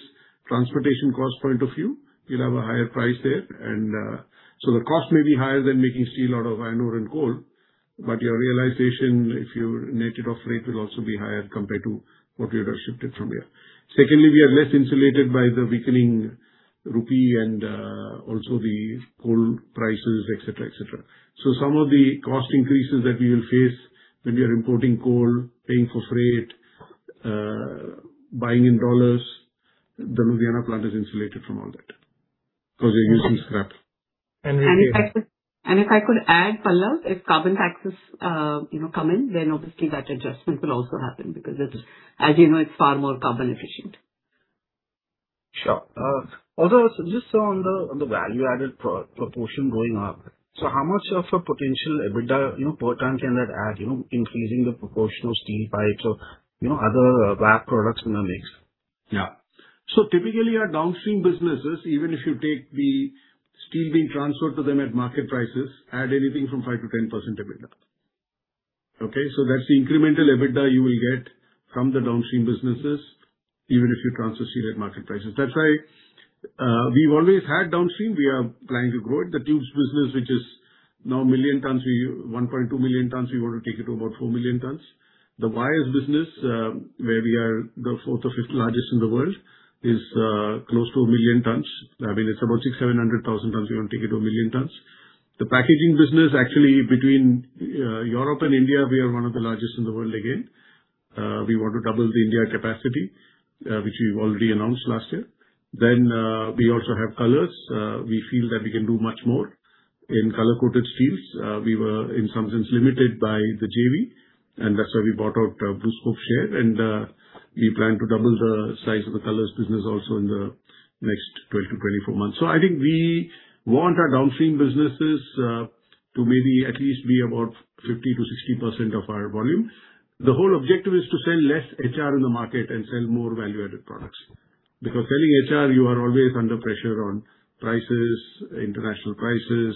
transportation cost point of view, you'll have a higher price there. The cost may be higher than making steel out of iron ore and coal, your realization, if you net it off rate, will also be higher compared to what we would have shifted from here. We are less insulated by the weakening rupee and also the coal prices, et cetera, et cetera. Some of the cost increases that we will face when we are importing coal, paying for freight, buying in dollars, the Ludhiana plant is insulated from all that because they're using scrap. And we- If I could add, Pallav, if carbon taxes, you know, come in, then obviously that adjustment will also happen because, as you know, it's far more carbon efficient. Sure. Although, just on the value-added proportion going up, how much of a potential EBITDA, you know, per ton can that add, you know, increasing the proportion of steel pipes or, you know, other VA products in the mix? Typically our downstream businesses, even if you take the steel being transferred to them at market prices, add anything from 5%-10% EBITDA. That's the incremental EBITDA you will get from the downstream businesses, even if you transfer steel at market prices. That's why we've always had downstream. We are planning to grow it. The tubes business, which is now 1 million tons, 1.2 million tons, we want to take it to about 4 million tons. The wires business, where we are the fourth or fifth largest in the world, is close to 1 million tons. I mean, it's about 600,000-700,000 tons. We wanna take it to 1 million tons. The packaging business, actually between Europe and India, we are one of the largest in the world again. We want to double the India capacity, which we've already announced last year. We also have colors. We feel that we can do much more in color-coated steels. We were in some sense limited by the JV, that's why we bought out BlueScope's share, and we plan to double the size of the colors business also in the next 12 months-24 months. I think we want our downstream businesses to maybe at least be about 50%-60% of our volume. The whole objective is to sell less HR in the market and sell more value-added products. Selling HR, you are always under pressure on prices, international prices.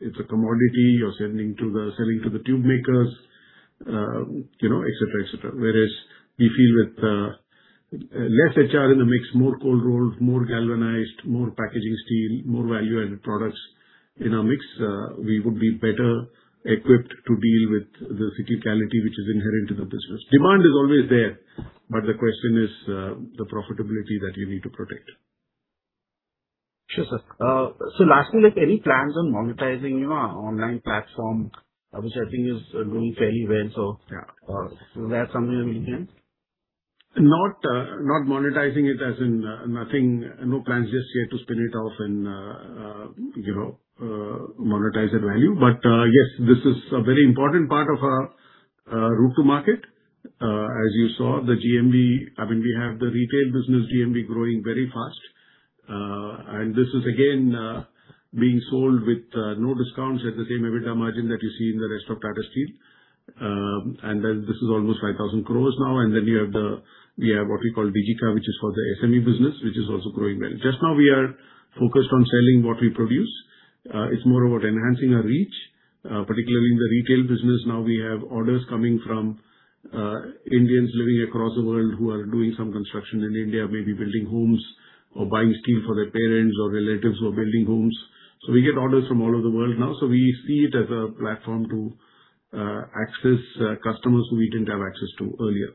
It's a commodity. You're selling to the tube makers, you know, et cetera, et cetera. Whereas we feel with less HR in the mix, more cold rolled, more galvanized, more packaging steel, more value-added products in our mix, we would be better equipped to deal with the cyclicality which is inherent to the business. Demand is always there, but the question is, the profitability that you need to protect. Sure, sir. Lastly, like any plans on monetizing, you know, our online platform, which I think is doing fairly well? Yeah. Uh, so is that something that we can- Not monetizing it as in nothing, no plans just yet to spin it off and, you know, monetize that value. Yes, this is a very important part of our route to market. As you saw the GMV, I mean, we have the retail business GMV growing very fast. This is again being sold with no discounts at the same EBITDA margin that you see in the rest of Tata Steel. This is almost 5,000 crore now. We have what we call DigECA, which is for the SME business, which is also growing well. Just now we are focused on selling what we produce. It's more about enhancing our reach, particularly in the retail business. Now we have orders coming from Indians living across the world who are doing some construction in India, maybe building homes or buying steel for their parents or relatives who are building homes. We get orders from all over the world now. We see it as a platform to access customers who we didn't have access to earlier.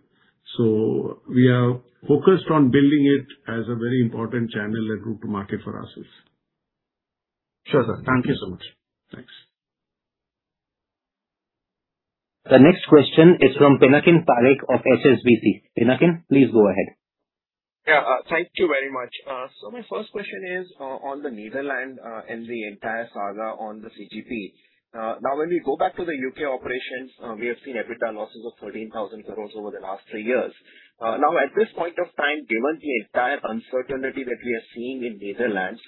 We are focused on building it as a very important channel and route to market for ourselves. Sure, sir. Thank you so much. Thanks. The next question is from Pinakin Parekh of HSBC. Pinakin, please go ahead. Yeah, thank you very much. My first question is on the Netherlands and the entire saga on the CGP. When we go back to the U.K. operations, we have seen EBITDA losses of 13,000 crores over the last three years. At this point of time, given the entire uncertainty that we are seeing in Netherlands,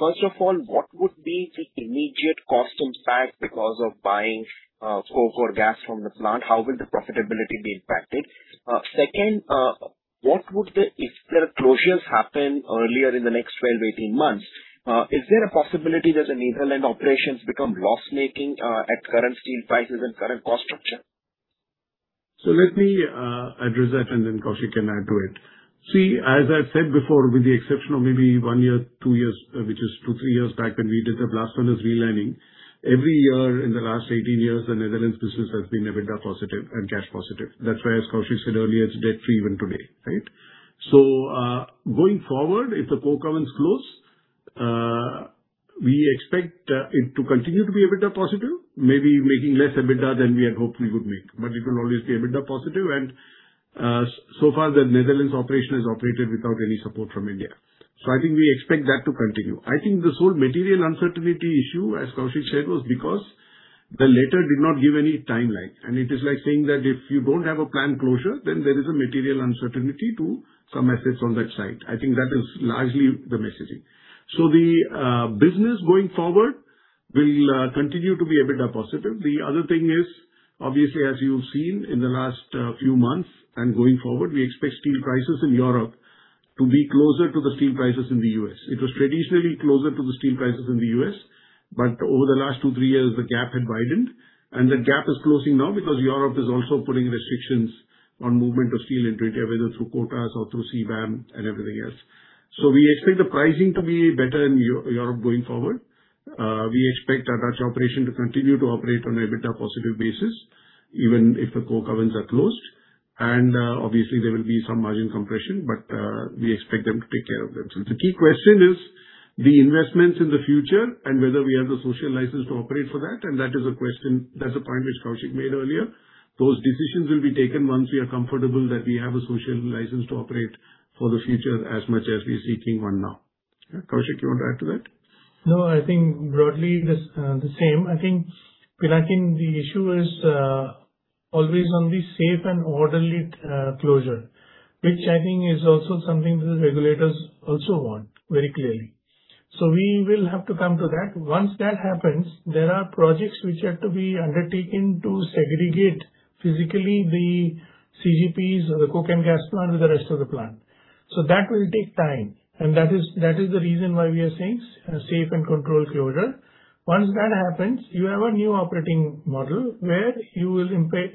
first of all, what would be the immediate cost impact because of buying coke or gas from the plant? How will the profitability be impacted? Second, what would the if their closures happen earlier in the next 12 months-18 months, is there a possibility that the Netherlands operations become loss-making at current steel prices and current cost structure? Let me address that, and then Koushik can add to it. See, as I've said before, with the exception of maybe one year, two years, which is two, three years back when we did the blast furnace relining, every year in the last 18 years the Netherlands business has been EBITDA positive and cash positive. That's why, as Koushik said earlier, it's debt-free even today, right? Going forward, if the coke ovens close, we expect it to continue to be EBITDA positive, maybe making less EBITDA than we had hoped we would make. It will always be EBITDA positive and, so far the Netherlands operation has operated without any support from India. I think this whole material uncertainty issue, as Koushik said, was because the letter did not give any timeline, and it is like saying that if you don't have a planned closure, then there is a material uncertainty to some assets on that site. I think that is largely the messaging. The business going forward will continue to be EBITDA positive. The other thing is, obviously, as you've seen in the last few months and going forward, we expect steel prices in Europe to be closer to the steel prices in the U.S. It was traditionally closer to the steel prices in the U.S., but over the last 2, 3 years the gap had widened, and that gap is closing now because Europe is also putting restrictions on movement of steel into India, whether through quotas or through CBAM and everything else. We expect the pricing to be better in Europe going forward. We expect our Dutch operation to continue to operate on an EBITDA positive basis even if the coke ovens are closed. Obviously there will be some margin compression, but we expect them to take care of themselves. The key question is the investments in the future and whether we have the social license to operate for that, and that is a question, that's a point which Koushik made earlier. Those decisions will be taken once we are comfortable that we have a social license to operate for the future as much as we're seeking one now. Koushik, you want to add to that? No, I think broadly the same. I think, Pinakin, the issue is always on the safe and orderly closure, which I think is also something that the regulators also want very clearly. We will have to come to that. Once that happens, there are projects which have to be undertaken to segregate physically the CGPs or the coke and gas plant with the rest of the plant. That will take time, and that is, that is the reason why we are saying safe and controlled closure. Once that happens, you have a new operating model where you will import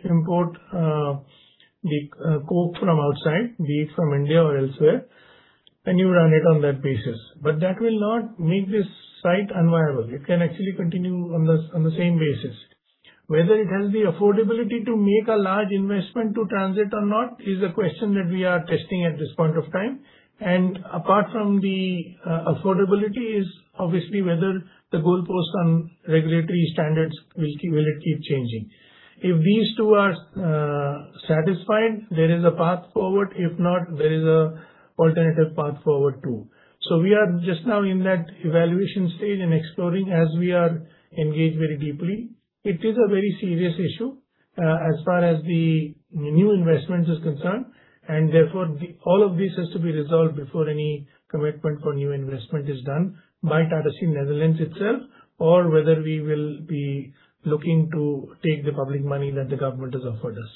the coke from outside, be it from India or elsewhere, and you run it on that basis. But that will not make this site unviable. It can actually continue on the, on the same basis. Whether it has the affordability to make a large investment to transit or not is a question that we are testing at this point of time. Apart from the affordability is obviously whether the goalposts on regulatory standards will it keep changing. If these two are satisfied, there is a path forward. If not, there is an alternative path forward too. We are just now in that evaluation stage and exploring as we are engaged very deeply. It is a very serious issue, as far as the new investments is concerned, therefore all of this has to be resolved before any commitment for new investment is done by Tata Steel Nederland itself or whether we will be looking to take the public money that the government has offered us.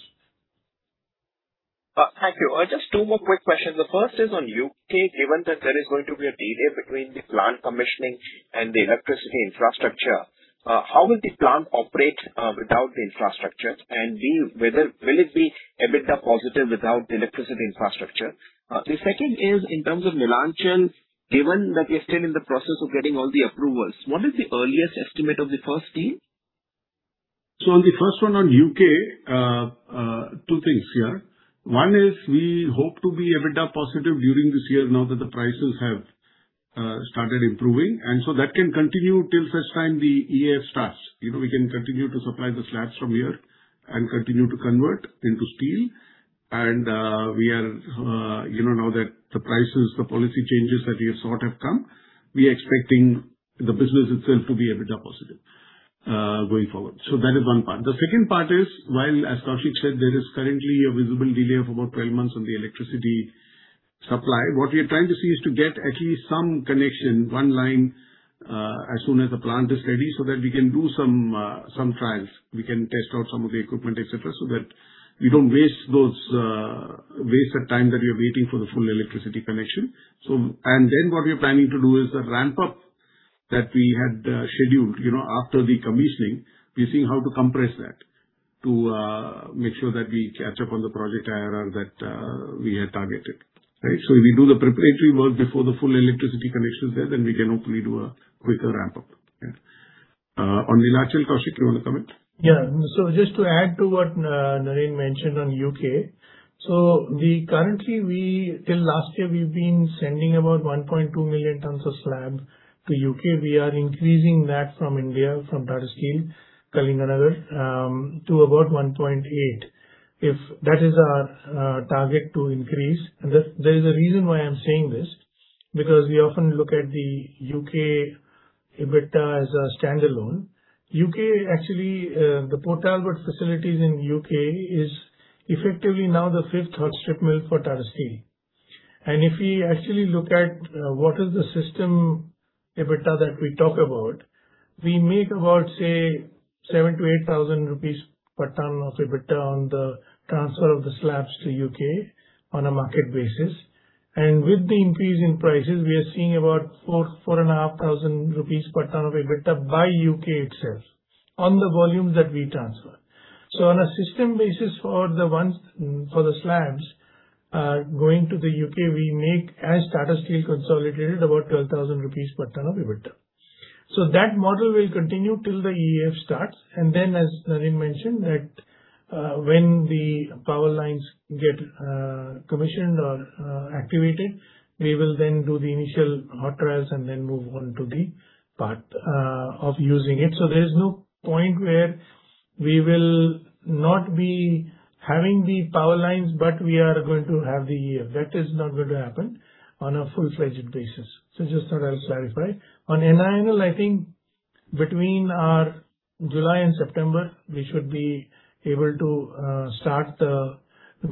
Thank you. Just two more quick questions. The first is on U.K. Given that there is going to be a delay between the plant commissioning and the electricity infrastructure, how will the plant operate, without the infrastructure? B, whether will it be EBITDA positive without the electricity infrastructure? The second is in terms of NINL, given that you're still in the process of getting all the approvals, what is the earliest estimate of the first steel? On the first one on U.K., two things here. One is we hope to be EBITDA positive during this year now that the prices have started improving. That can continue till such time the EA starts. You know, we can continue to supply the slabs from here and continue to convert into steel and we are, you know, now that the prices, the policy changes that we have sought have come, we are expecting the business itself to be EBITDA positive going forward. That is one part. The second part is, while, as Koushik said, there is currently a visible delay of about 12 months on the electricity supply. What we are trying to see is to get at least some connection, one line, as soon as the plant is ready so that we can do some trials. We can test out some of the equipment, et cetera, so that we don't waste those, waste the time that we are waiting for the full electricity connection. Then what we are planning to do is the ramp up that we had scheduled, you know, after the commissioning. We're seeing how to compress that to make sure that we catch up on the project IRR that we had targeted, right? If we do the preparatory work before the full electricity connection is there, then we can hopefully do a quicker ramp up. Yeah. On NINL, Koushik, you want to comment? Just to add to what Naren mentioned on U.K. We currently, till last year we've been sending about 1.2 million tons of slabs to U.K. We are increasing that from India, from Tata Steel Kalinganagar, to about 1.8. If that is our target to increase. There is a reason why I'm saying this, because we often look at the U.K. EBITDA as a standalone. U.K. actually, the Port Talbot facilities in U.K. is effectively now the fifth hot strip mill for Tata Steel. If we actually look at what is the system EBITDA that we talk about, we make about, say, 7,000-8,000 rupees per ton of EBITDA on the transfer of the slabs to U.K. on a market basis. With the increase in prices, we are seeing about 4,000-4,500 rupees per ton of EBITDA by U.K. itself on the volume that we transfer. On a system basis for the ones, for the slabs, going to the U.K., we make as Tata Steel consolidated about 12,000 rupees per ton of EBITDA. That model will continue till the EAF starts. As Naren mentioned that, when the power lines get commissioned or activated, we will then do the initial hot trials and then move on to the part of using it. There is no point where we will not be having the power lines, but we are going to have the EAF. That is not going to happen on a full-fledged basis. Just thought I'll clarify. On NINL, I think between July and September, we should be able to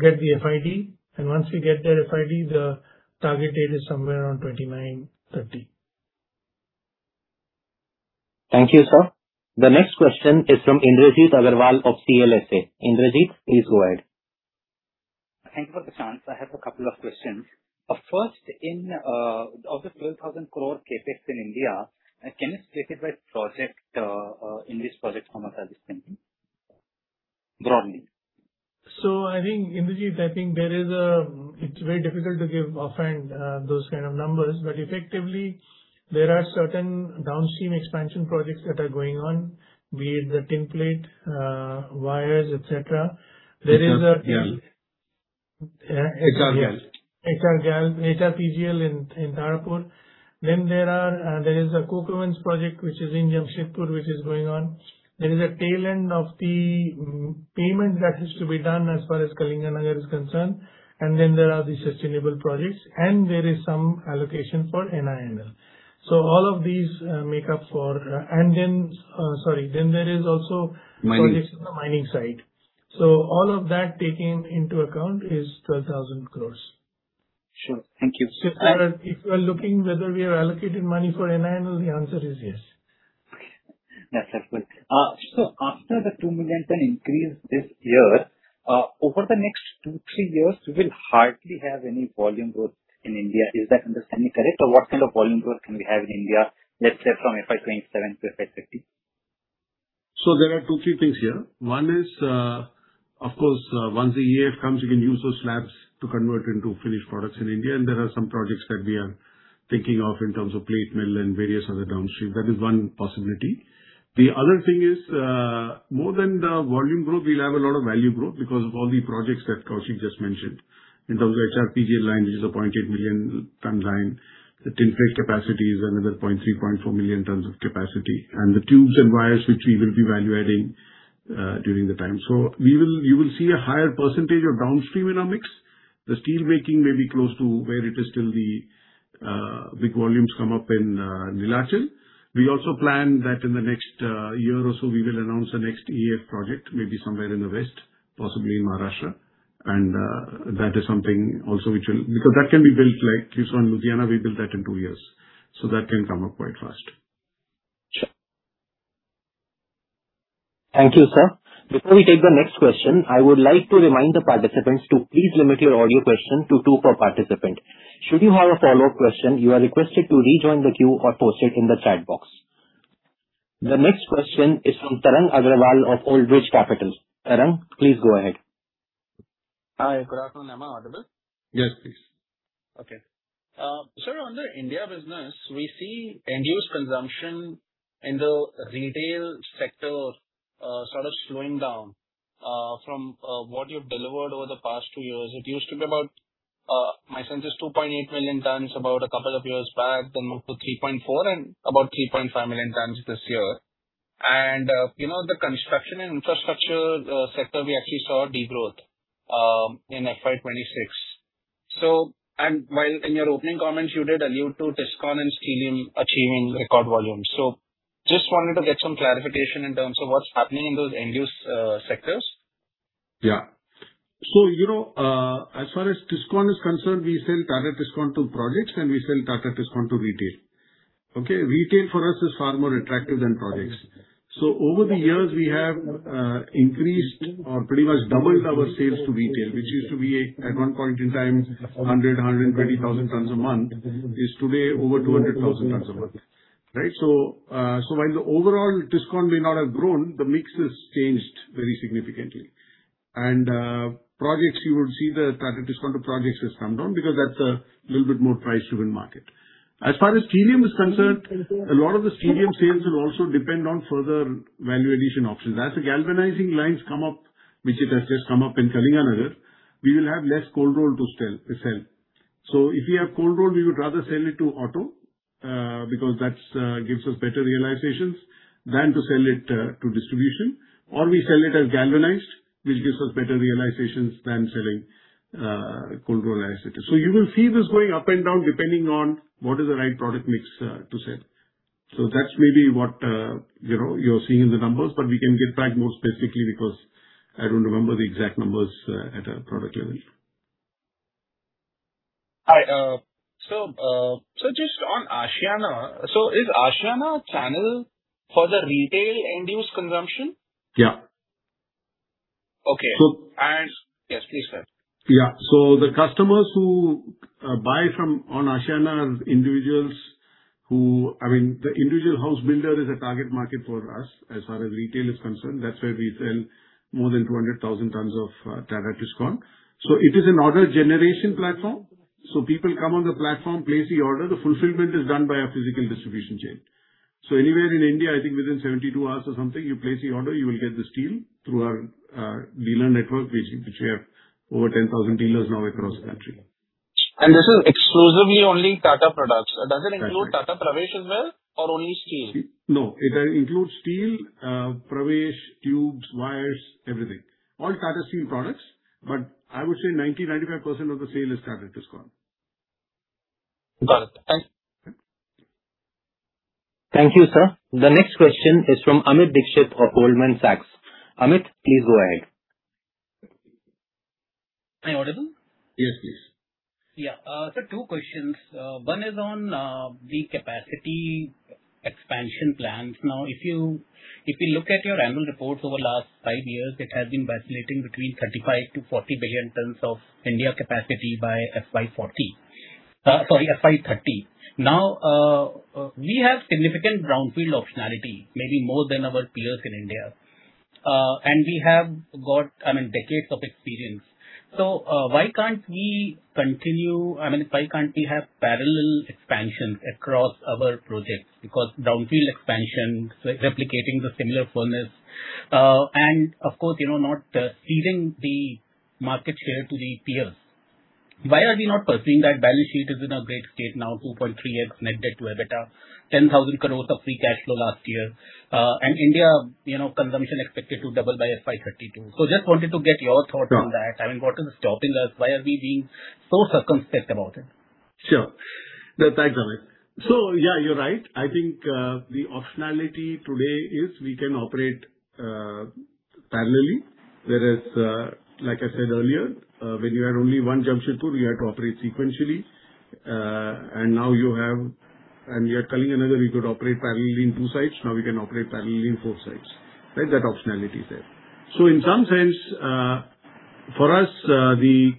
get the FID. Once we get that FID, the target date is somewhere around 2029-2030. Thank you, sir. The next question is from Indrajit Agarwal of CLSA. Indrajit, please go ahead. Thank you for the chance. I have a couple of questions. First, of the INR 12,000 crore CapEx in India, can you split it by project, in this project format are you thinking, broadly? I think, Indrajit, it is very difficult to give offhand, those kind of numbers. Effectively, there are certain downstream expansion projects that are going on, be it the tin plate, wires, et cetera. Yeah. HR CGL. HR CGL in Rourkela. There is a coke oven project which is in Jamshedpur, which is going on. There is a tail end of the payment that has to be done as far as Kalinganagar is concerned. There are the sustainable projects, and there is some allocation for NINL. All of these make up for- Mining. -on the mining site. All of that taken into account is 12,000 crores. Sure. Thank you. If you are looking whether we have allocated money for NINL, the answer is yes. Okay. That's helpful. After the 2 million tons increase this year, over the next two, three years, we will hardly have any volume growth in India. Is that understanding correct? What kind of volume growth can we have in India, let's say from FY 2027 to FY 2050? There are two, three things here. One is, of course, once the EAF comes, you can use those slabs to convert into finished products in India. There are some projects that we are thinking of in terms of plate mill and various other downstream. That is one possibility. The other thing is, more than the volume growth, we'll have a lot of value growth because of all the projects that Koushik just mentioned. In terms of HR CGL line, which is a 0.8 million tons line. The tin plate capacity is another 0.3, 0.4 million tons of capacity. The tubes and wires, which we will be value adding during the time. You will see a higher percentage of downstream in our mix. The steelmaking may be close to where it is till the big volumes come up in Neelachal. We also plan that in the next year or so we will announce the next EAF project, maybe somewhere in the west, possibly in Maharashtra. That is something also because that can be built like we saw in, Ludhiana, we built that in two years, so that can come up quite fast. Sure. Thank you, sir. Before we take the next question, I would like to remind the participants to please limit your audio question to two per participant. Should you have a follow-up question, you are requested to rejoin the queue or post it in the chat box. The next question is from Tarang Agrawal of Old Bridge Asset Management. Tarang, please go ahead. Hi. Good afternoon. Am I audible? Yes, please. Okay. On the India business, we see end-use consumption in the retail sector sort of slowing down from what you've delivered over the past two years. It used to be about, my sense is 2.8 million tons about a couple of years back, then moved to 3.4 million tons and about 3.5 million tons this year. You know, the construction and infrastructure sector, we actually saw a degrowth in FY 2026. While in your opening comments you did allude to Tiscon and Steelium achieving record volumes. Just wanted to get some clarification in terms of what's happening in those end-use sectors. Yeah. You know, as far as Tata Tiscon is concerned, we sell Tata Tiscon to projects and we sell Tata Tiscon to retail. Okay? Retail for us is far more attractive than projects. Over the years, we have increased or pretty much doubled our sales to retail, which used to be, at one point in time, 100,000-120,000 tons a month, is today over 200,000 tons a month. Right? While the overall Tata Tiscon may not have grown, the mix has changed very significantly. Projects you will see the Tata Tiscon to projects has come down because that's a little bit more price-driven market. As far as Steelium is concerned, a lot of the Steelium sales will also depend on further value addition options. As the galvanizing lines come up, which it has just come up in Kalinganagar, we will have less cold roll to sell. If we have cold roll, we would rather sell it to auto, because that's gives us better realizations, than to sell it to distribution. Or we sell it as galvanized, which gives us better realizations than selling cold roll as it is. You will see this going up and down depending on what is the right product mix to sell. That's maybe what, you know, you're seeing in the numbers, but we can get back more specifically because I don't remember the exact numbers at a product level. Hi, so just on Aashiyana. Is Aashiyana a channel for the retail end-use consumption? Yeah. Okay. So- Yes, please go ahead. The customers who buy from on Aashiyana are individuals who, I mean, the individual house builder is a target market for us as far as retail is concerned. That's where we sell more than 200,000 tons of Tata Tiscon. It is an order generation platform. People come on the platform, place the order, the fulfillment is done by a physical distribution chain. Anywhere in India, I think within 72 hours or something, you place the order, you will get the steel through our dealer network, which we have over 10,000 dealers now across the country. This is exclusively only Tata products. That's right. Does it include Tata Pravesh as well or only steel? No, it includes steel, Tata Pravesh, tubes, wires, everything. All Tata Steel products, but I would say 90%-95% of the sale is Tata Tiscon. Got it. Thanks. Okay. Thank you, sir. The next question is from Amit Dixit of Goldman Sachs. Amit, please go ahead. Hi, audible. Yes, please. Yeah. So two questions. One is on the capacity expansion plans. Now, if you, if you look at your annual reports over the last five years, it has been vacillating between 35 billion-40 billion tons of India capacity by FY 2040. Sorry, FY 2030. Now, we have significant brownfield optionality, maybe more than our peers in India. We have got, I mean, decades of experience. Why can't we, I mean why can't we have parallel expansion across our projects? Brownfield expansion, replicating the similar furnace, and of course, you know, not ceding the market share to the peers. Why are we not pursuing that? Balance sheet is in a great state now, 2.3x net debt to EBITDA, 10,000 crores of free cash flow last year. India, you know, consumption expected to double by FY 2032. Just wanted to get your thoughts on that. Sure. I mean, what is stopping us? Why are we being so circumspect about it? Sure. Thanks, Amit. Yeah, you're right. I think, the optionality today is we can operate parallelly. Whereas, like I said earlier, when you had only 1 Jamshedpur, we had to operate sequentially. Now you have you are telling another you could operate parallelly in two sites. Now we can operate parallelly in four sites, right? That optionality is there. In some sense, for us, the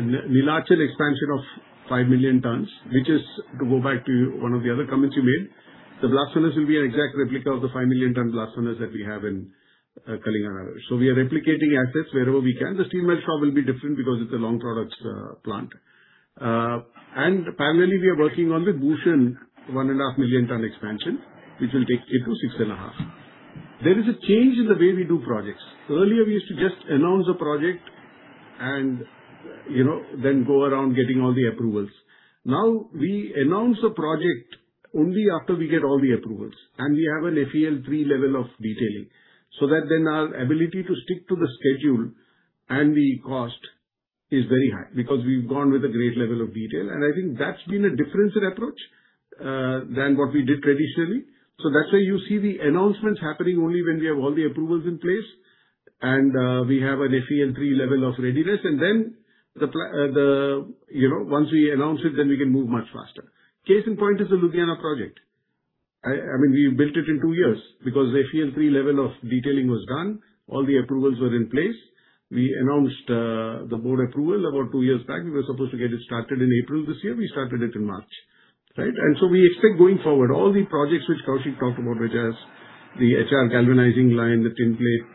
Neelachal expansion of 5 million tons, which is to go back to one of the other comments you made, the blast furnace will be an exact replica of the 5 million ton blast furnace that we have in Kalinganagar. The steel melt shop will be different because it's a long products plant. Parallelly, we are working on the Bhushan 1.5 million ton expansion, which will take it to 6.5. There is a change in the way we do projects. Earlier, we used to just announce the project and, you know, then go around getting all the approvals. Now, we announce the project only after we get all the approvals, and we have an FEL-3 level of detailing. That then our ability to stick to the schedule and the cost is very high because we've gone with a great level of detail. I think that's been a difference in approach than what we did traditionally. That's why you see the announcements happening only when we have all the approvals in place and we have an FEL-3 level of readiness. The, you know, once we announce it, then we can move much faster. Case in point is the Ludhiana project. I mean, we built it in two years because the FEL-3 level of detailing was done. All the approvals were in place. We announced the board approval about two years back. We were supposed to get it started in April this year. We started it in March, right? We expect going forward, all the projects which Koushik talked about, which as the HR galvanizing line, the tin plate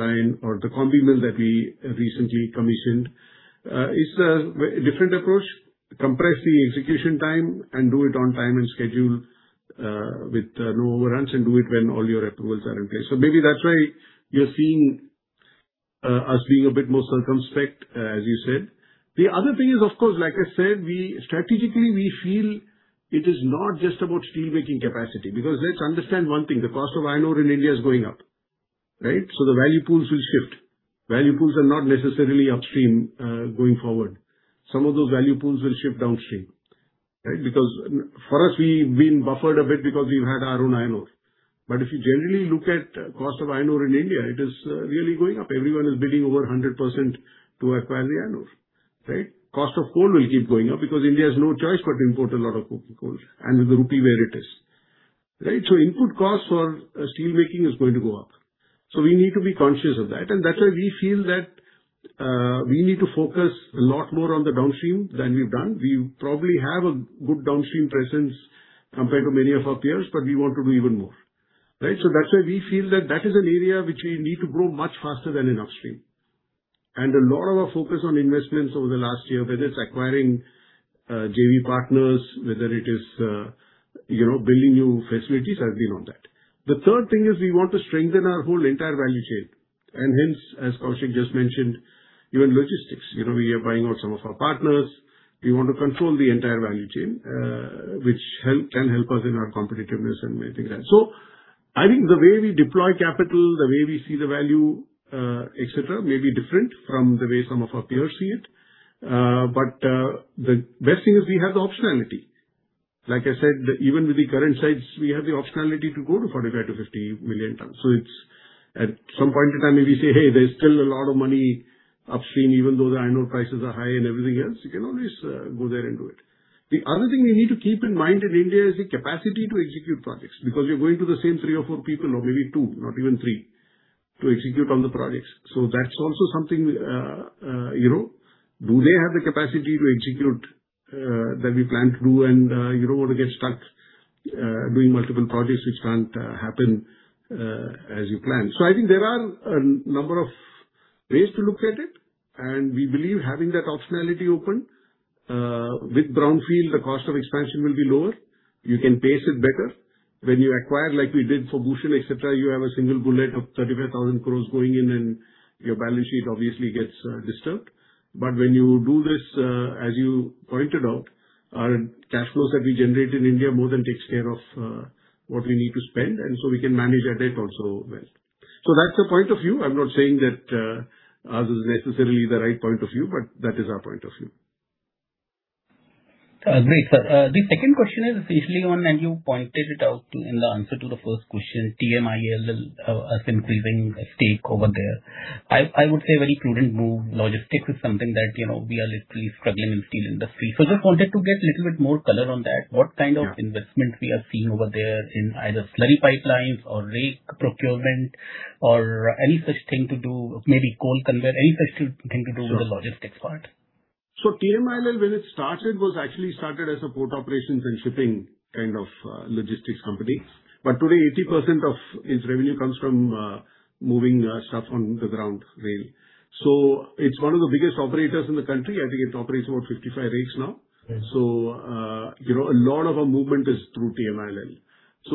line or the combi mill that we recently commissioned is a very different approach. Compress the execution time and do it on time and schedule with no overruns and do it when all your approvals are in place. Maybe that's why you're seeing us being a bit more circumspect, as you said. The other thing is, of course, like I said, we strategically we feel it is not just about steelmaking capacity because let's understand one thing. The cost of iron ore in India is going up, right? The value pools will shift. Value pools are not necessarily upstream going forward. Some of those value pools will shift downstream, right? Because for us, we've been buffered a bit because we've had our own iron ore. If you generally look at cost of iron ore in India, it is really going up. Everyone is bidding over 100% to acquire the iron ore, right? Cost of coal will keep going up because India has no choice but to import a lot of coking coal and with the rupee where it is, right? Input costs for steelmaking is going to go up. We need to be conscious of that. That's why we feel that we need to focus a lot more on the downstream than we've done. We probably have a good downstream presence compared to many of our peers, but we want to do even more, right? That's why we feel that that is an area which we need to grow much faster than in upstream. A lot of our focus on investments over the last year, whether it's acquiring JV partners, whether it is, you know, building new facilities has been on that. The third thing is we want to strengthen our whole entire value chain and hence, as Koushik just mentioned, even logistics. You know, we are buying out some of our partners. We want to control the entire value chain, which can help us in our competitiveness and everything else. I think the way we deploy capital, the way we see the value, et cetera, may be different from the way some of our peers see it. The best thing is we have the optionality. Like I said, even with the current sites, we have the optionality to go to 45 million-50 million tons. It's at some point in time, if you say, "Hey, there's still a lot of money upstream," even though the iron ore prices are high and everything else, you can always go there and do it. The other thing you need to keep in mind in India is the capacity to execute projects, because you're going to the same three or four people, or maybe two, not even three, to execute on the projects. That's also something, you know. Do they have the capacity to execute that we plan to do and you don't wanna get stuck doing multiple projects which can't happen as you plan. I think there are a number of ways to look at it, and we believe having that optionality open with brownfield, the cost of expansion will be lower. You can pace it better. When you acquire, like we did for Bhushan, et cetera, you have a single bullet of 35,000 crores going in and your balance sheet obviously gets disturbed. When you do this, as you pointed out, our cash flows that we generate in India more than takes care of, what we need to spend, and so we can manage our debt also well. That's a point of view. I'm not saying that, ours is necessarily the right point of view, but that is our point of view. Great, sir. The second question is officially on, and you pointed it out in the answer to the first question, TMILL, us increasing stake over there. I would say very prudent move. Logistics is something that, you know, we are literally struggling in steel industry. Just wanted to get a little bit more color on that. What kind of investment we are seeing over there in either slurry pipelines or rake procurement or any such thing to do, maybe coal convert, any such thing to do with the logistics part. TMILL, when it started, was actually started as a port operations and shipping kind of logistics company. Today, 80% of its revenue comes from moving stuff on the ground rail. It's one of the biggest operators in the country. I think it operates about 55 rails now. Right. You know, a lot of our movement is through TMILL.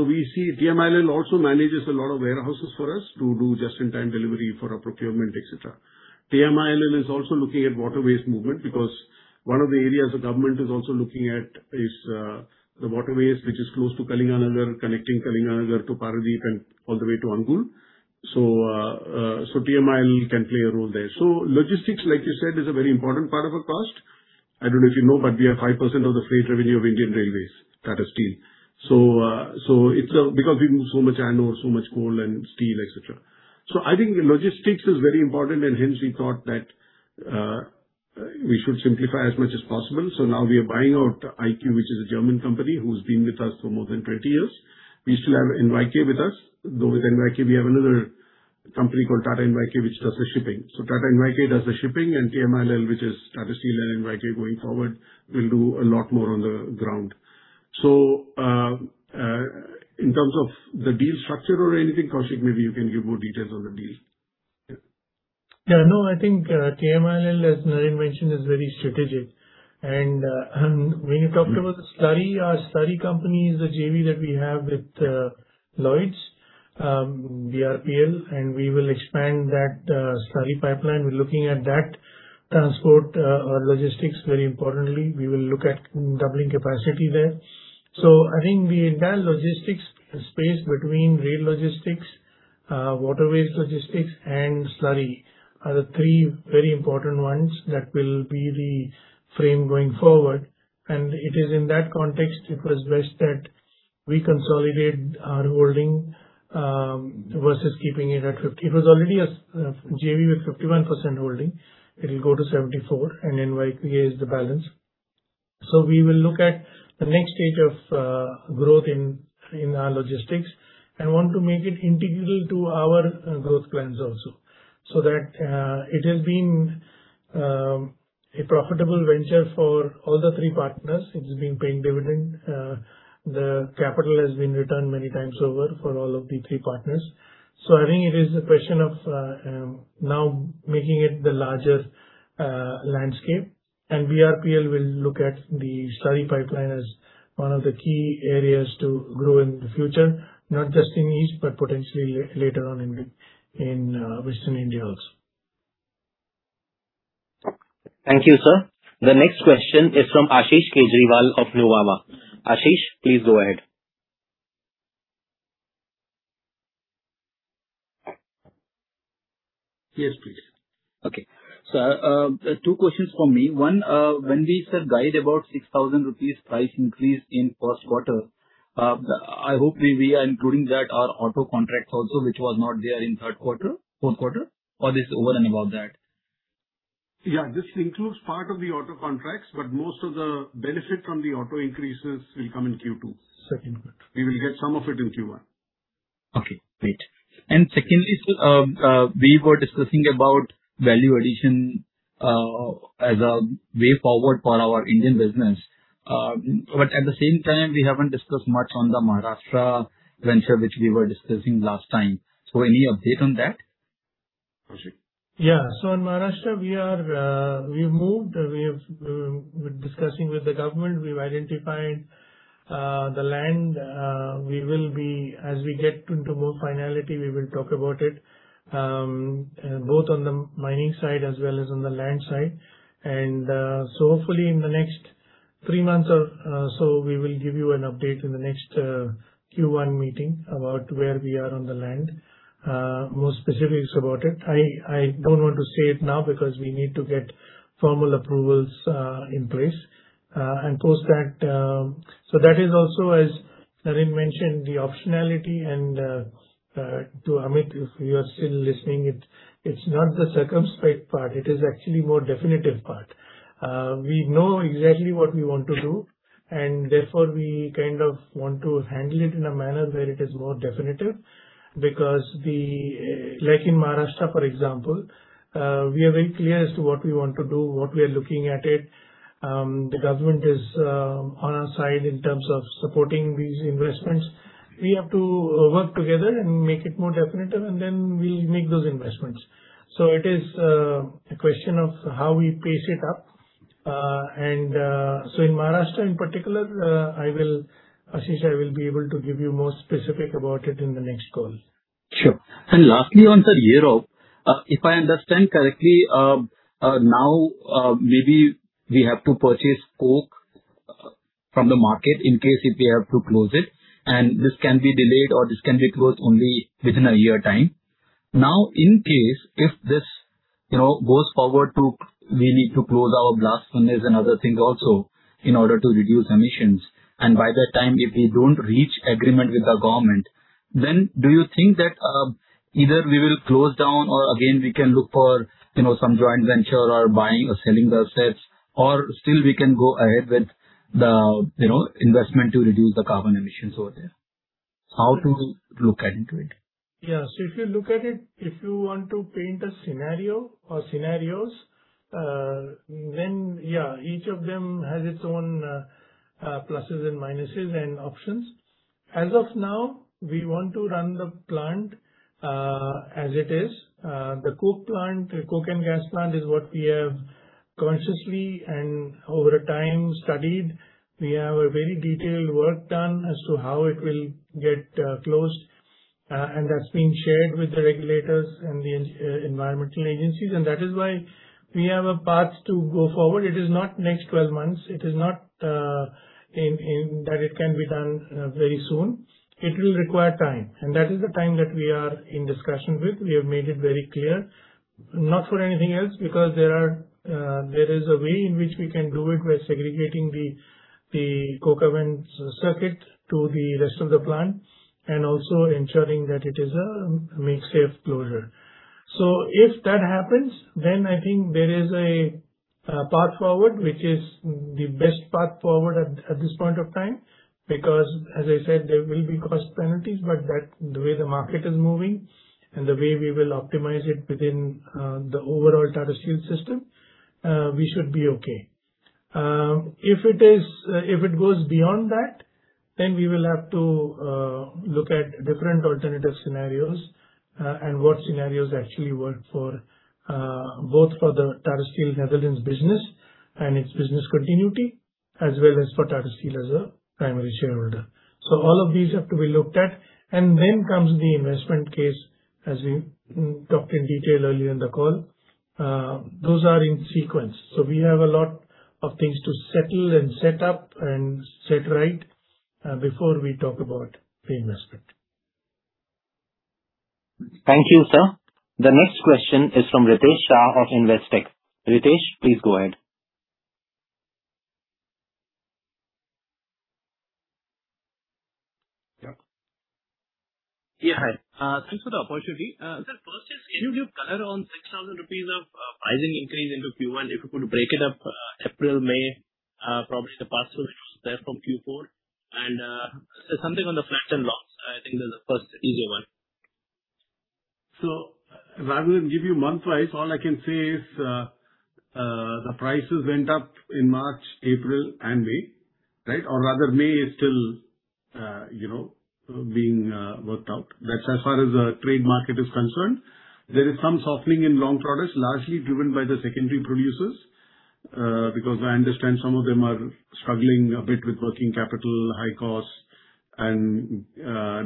We see TMILL also manages a lot of warehouses for us to do just-in-time delivery for our procurement, et cetera. TMILL is also looking at waterways movement because one of the areas the government is also looking at is the waterways which is close to Kalinganagar, connecting Kalinganagar to Paradip and all the way to Angul. TMILL can play a role there. Logistics, like you said, is a very important part of our cost. I don't know if you know, but we have 5% of the freight revenue of Indian Railways, Tata Steel. It's because we move so much iron ore, so much coal and steel, et cetera. I think logistics is very important and hence we thought that we should simplify as much as possible. Now we are buying out IQ, which is a German company who's been with us for more than 20 years. We still have NYK with us. Though with NYK we have another company called Tata NYK, which does the shipping. Tata NYK does the shipping and TMILL, which is Tata Steel and NYK going forward, will do a lot more on the ground. In terms of the deal structure or anything, Koushik, maybe you can give more details on the deal. Yeah, no, I think TMILL, as Naren mentioned, is very strategic. When you talked about the slurry, our slurry company is a JV that we have with Lloyds, BRPL, and we will expand that slurry pipeline. We're looking at that transport or logistics very importantly. We will look at doubling capacity there. I think the entire logistics space between rail logistics, waterways logistics and slurry are the three very important ones that will be the frame going forward. It is in that context it was best that we consolidate our holding versus keeping it at 50. It was already a JV with 51% holding. It'll go to 74, and NYK is the balance. We will look at the next stage of growth in our logistics and want to make it integral to our growth plans also, so that it has been a profitable venture for all the three partners. It's been paying dividend. The capital has been returned many times over for all of the three partners. I think it is a question of now making it the larger landscape. BRPL will look at the slurry pipeline as one of the key areas to grow in the future, not just in east, but potentially later on in western India also. Thank you, sir. The next question is from Ashish Kejriwal of Nuvama. Ashish, please go ahead. Yes, please. Okay. Two questions from me. One, when we said guide about 6,000 rupees price increase in first quarter, I hope we are including that our auto contracts also, which was not there in third quarter, fourth quarter, or this over and above that? Yeah, this includes part of the auto contracts, but most of the benefit from the auto increases will come in Q2. Second quarter. We will get some of it in Q1. Okay, great. Secondly, sir, we were discussing about value addition, as a way forward for our Indian business. At the same time we haven't discussed much on the Maharashtra venture, which we were discussing last time. Any update on that? Yeah. So in Maharashtra we are, we've moved. We have, we're discussing with the government. We've identified the land. We will be, as we get into more finality, we will talk about it, both on the mining side as well as on the land side. Hopefully in the next three months or so we will give you an update in the next Q1 meeting about where we are on the land, more specifics about it. I don't want to say it now because we need to get formal approvals in place. Post that, so that is also as Naren mentioned, the optionality and to Amit, if you are still listening, it's not the circumspect part, it is actually more definitive part. We know exactly what we want to do, we kind of want to handle it in a manner where it is more definitive because we, like in Maharashtra, for example, we are very clear as to what we want to do, what we are looking at it. The government is on our side in terms of supporting these investments. We have to work together and make it more definitive, we make those investments. It is a question of how we pace it up. In Maharashtra in particular, I will, Ashish, I will be able to give you more specific about it in the next call. Sure. Lastly, on the year of, if I understand correctly, now, maybe we have to purchase coke from the market in case if we have to close it. This can be delayed or this can be closed only within a year time. In case if this, you know, goes forward to we need to close our blast furnace and other things also in order to reduce emissions, and by that time, if we don't reach agreement with the government, then do you think that either we will close down or again we can look for, you know, some joint venture or buying or selling the assets, or still we can go ahead with the, you know, investment to reduce the carbon emissions over there? How to look into it? If you look at it, if you want to paint a scenario or scenarios, then yeah, each of them has its own pluses and minuses and options. As of now, we want to run the plant as it is. The coke plant, the coke and gas plant is what we have consciously and over time studied. We have a very detailed work done as to how it will get closed, and that's been shared with the regulators and the environmental agencies, and that is why we have a path to go forward. It is not next 12 months. It is not in that it can be done very soon. It will require time, and that is the time that we are in discussion with. We have made it very clear, not for anything else, because there are, there is a way in which we can do it by segregating the coke oven circuit to the rest of the plant and also ensuring that it is a make safe closure. If that happens, then I think there is a path forward, which is the best path forward at this point of time because as I said, there will be cost penalties. That, the way the market is moving and the way we will optimize it within, the overall Tata Steel system, we should be okay. If it is, if it goes beyond that, then we will have to look at different alternative scenarios, and what scenarios actually work for both for the Tata Steel Netherlands business and its business continuity, as well as for Tata Steel as a primary shareholder. All of these have to be looked at. Then comes the investment case, as we talked in detail earlier in the call. Those are in sequence. We have a lot of things to settle and set up and set right before we talk about the investment. Thank you, sir. The next question is from Ritesh Shah of Investec. Ritesh, please go ahead. Yeah. Yeah. Hi. Thanks for the opportunity. Sir, first is, can you give color on 6,000 rupees of pricing increase into Q1, if you could break it up, April, May, probably the past issues there from Q4 and something on the flats and longs? I think that's the first easier one. Rather than give you month-wise, all I can say is, the prices went up in March, April and May, right? Rather May is still, you know, being worked out. That's as far as the trade market is concerned. There is some softening in long products, largely driven by the secondary producers, because I understand some of them are struggling a bit with working capital, high costs and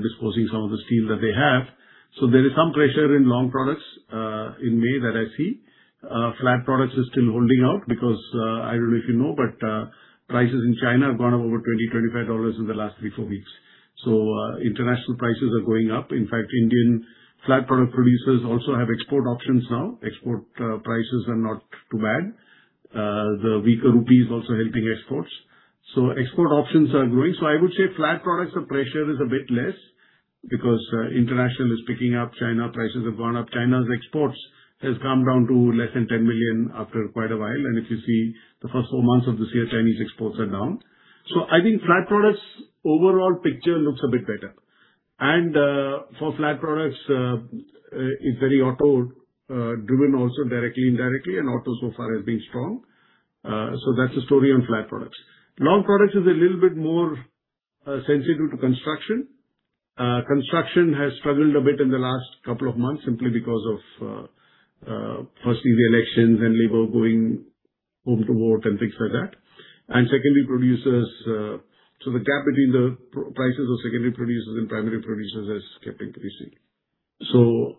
disposing some of the steel that they have. There is some pressure in long products in May that I see. Flat products is still holding out because, I don't know if you know, but prices in China have gone up over $20-$25 in the last 3 weeks-4 weeks. International prices are going up. Indian flat product producers also have export options now. Export prices are not too bad. The weaker rupee is also helping exports. Export options are growing. I would say flat products, the pressure is a bit less because international is picking up. China prices have gone up. China's exports has come down to less than 10 million after quite a while. If you see the first four months of this year, Chinese exports are down. I think flat products overall picture looks a bit better. For flat products, it's very auto driven also directly, indirectly, and auto so far has been strong. That's the story on flat products. Long products is a little bit more sensitive to construction. Construction has struggled a bit in the last couple of months simply because of firstly the elections and labor going home to vote and things like that. Secondly, producers, so the gap between the prices of secondary producers and primary producers has kept increasing.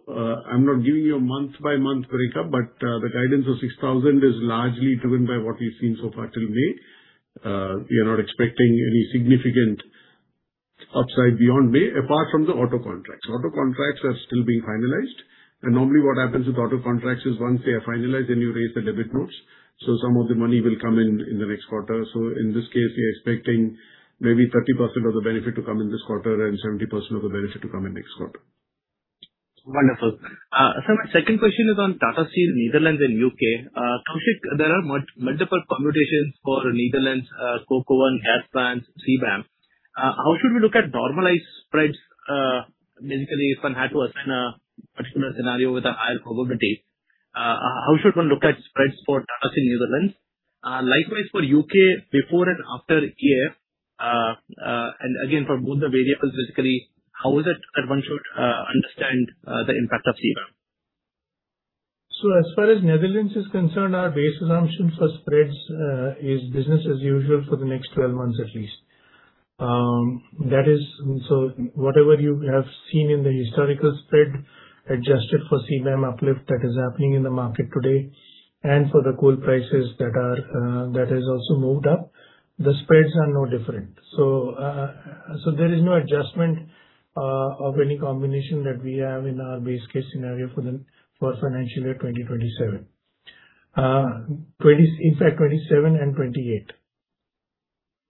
I'm not giving you a month by month breakout, the guidance of 6,000 is largely driven by what we've seen so far till May. We are not expecting any significant upside beyond May, apart from the auto contracts. Auto contracts are still being finalized, and normally what happens with auto contracts is once they are finalized, then you raise the debit notes. Some of the money will come in the next quarter. In this case, we are expecting maybe 30% of the benefit to come in this quarter and 70% of the benefit to come in next quarter. Wonderful. Sir, my second question is on Tata Steel Nederland and U.K. Koushik, there are multiple permutations for Nederland, CO-1, gas plants, CBAM. How should we look at normalized spreads, basically if one had to assign a particular scenario with a higher probability, how should one look at spreads for Tata Steel Nederland? Likewise for U.K., before and after year, again, for both the variables, basically, how is it that one should understand the impact of CBAM? As far as Netherlands is concerned, our base assumption for spreads is business as usual for the next 12 months at least. That is so whatever you have seen in the historical spread adjusted for CBAM uplift that is happening in the market today, and for the coal prices that are, that has also moved up, the spreads are no different. There is no adjustment of any combination that we have in our base case scenario for the financial year 2027. In fact, 2027 and 2028.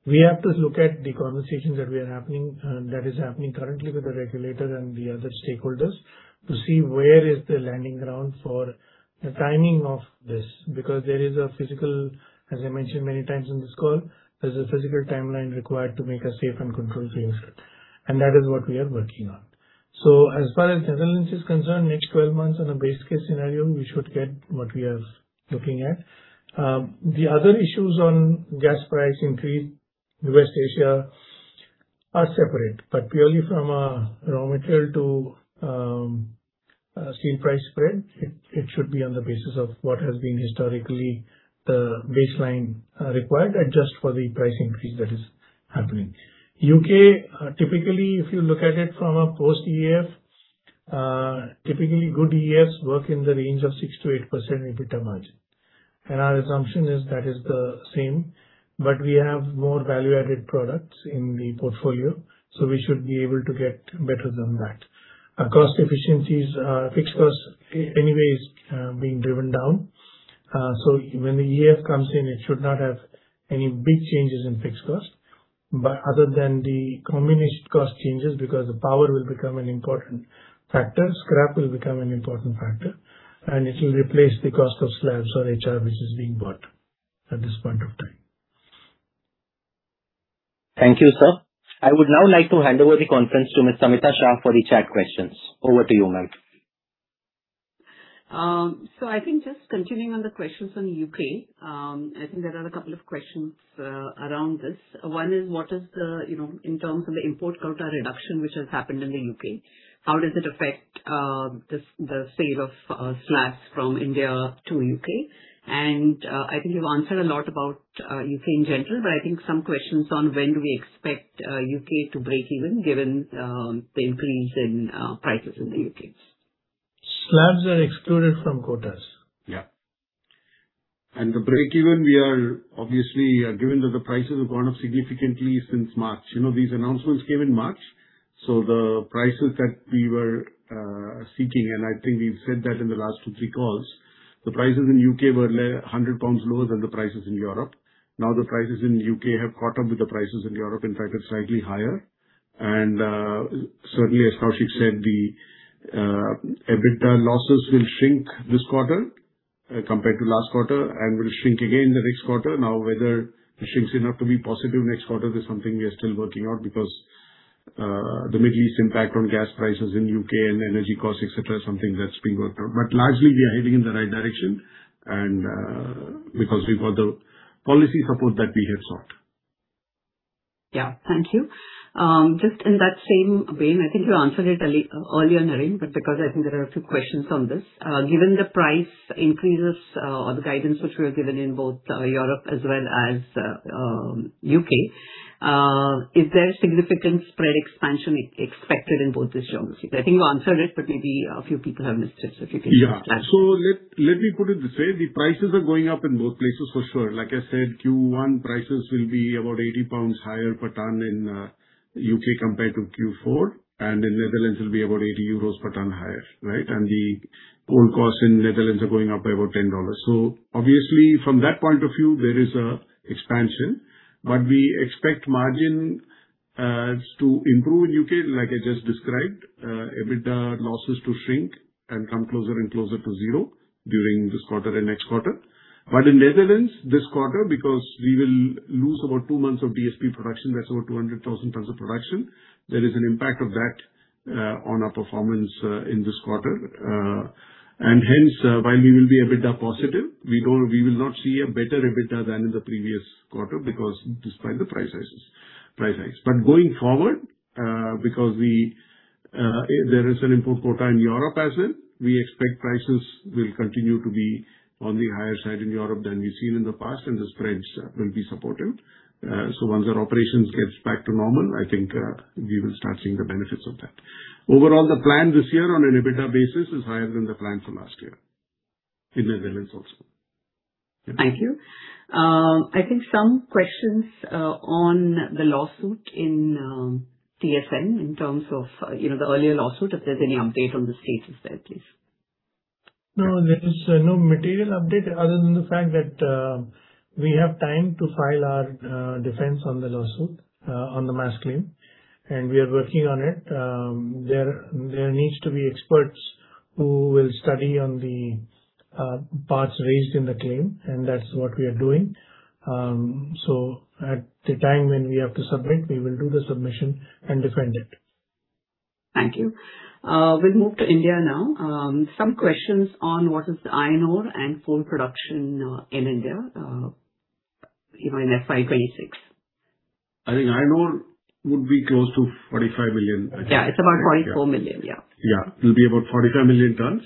We have to look at the conversations that we are happening, that is happening currently with the regulator and the other stakeholders to see where is the landing ground for the timing of this. There is a physical, as I mentioned many times in this call, there's a physical timeline required to make a safe and controlled change, and that is what we are working on. As far as Netherlands is concerned, next 12 months on a base case scenario, we should get what we are looking at. The other issues on gas price increase, West Asia are separate, but purely from a raw material to a steel price spread, it should be on the basis of what has been historically the baseline required, adjust for the price increase that is happening. U.K., typically, if you look at it from a post EF, typically good EFs work in the range of 6%-8% EBITDA margin. Our assumption is that is the same. We have more value-added products in the portfolio, so we should be able to get better than that. Our cost efficiencies, fixed cost anyway is being driven down. When the EF comes in, it should not have any big changes in fixed cost. Other than the conversion cost changes, because the power will become an important factor, scrap will become an important factor, and it will replace the cost of slabs or HR which is being bought at this point of time. Thank you, sir. I would now like to hand over the conference to Miss Samita Shah for the chat questions. Over to you, ma'am. I think just continuing on the questions on U.K., I think there are a couple of questions around this. One is what is the, you know, in terms of the import quota reduction which has happened in the U.K., how does it affect the sale of slabs from India to U.K.? I think you've answered a lot about U.K. in general, but I think some questions on when do we expect U.K. to break even given the increase in prices in the U.K.? Slabs are excluded from quotas. Yeah. The break even, we are obviously given that the prices have gone up significantly since March. You know, these announcements came in March, the prices that we were seeking, and I think we've said that in the last two, three calls, the prices in U.K. were 100 pounds lower than the prices in Europe. The prices in the U.K. have caught up with the prices in Europe, in fact it's slightly higher. Certainly as Koushik said, the EBITDA losses will shrink this quarter compared to last quarter and will shrink again the next quarter. Whether it shrinks enough to be positive next quarter is something we are still working on because the Middle East impact on gas prices in U.K. and energy costs, et cetera, is something that's being worked on. Largely we are heading in the right direction and, because we've got the policy support that we had sought. Yeah. Thank you. Just in that same vein, I think you answered it earlier, Naren, but because I think there are a few questions on this. Given the price increases, or the guidance which we were given in both Europe as well as U.K., is there significant spread expansion expected in both these geographies? I think you answered it, but maybe a few people have missed it, so if you can just elaborate. Let me put it this way, the prices are going up in both places for sure. Like I said Q1 prices will be about 80 pounds higher per ton in the U.K. compared to Q4, and in Netherlands it'll be about 80 euros per ton higher, right? The coal costs in Netherlands are going up by about $10. Obviously from that point of view there is an expansion. We expect margin to improve in the U.K. like I just described, EBITDA losses to shrink and come closer and closer to zero during this quarter and next quarter. In Netherlands this quarter because we will lose about two months of DSP production, that's over 200,000 tons of production, there is an impact of that on our performance in this quarter. Hence, while we will be EBITDA positive, we will not see a better EBITDA than in the previous quarter because despite the price rise. Going forward, because there is an import quota in Europe as in, we expect prices will continue to be on the higher side in Europe than we've seen in the past, the spreads will be supportive. Once our operations gets back to normal, I think, we will start seeing the benefits of that. Overall, the plan this year on an EBITDA basis is higher than the plan for last year in Netherlands also. Thank you. I think some questions on the lawsuit in TSN in terms of, you know, the earlier lawsuit, if there's any update on the status there, please? No, there is no material update other than the fact that we have time to file our defense on the lawsuit on the mass claim, and we are working on it. There needs to be experts who will study on the parts raised in the claim, and that's what we are doing. At the time when we have to submit, we will do the submission and defend it. Thank you. We'll move to India now. Some questions on what is the iron ore and coal production in India, even in FY 2026? I think iron ore would be close to 45 million. Yeah, it's about 44 million, yeah. Yeah. It'll be about 45 million tons.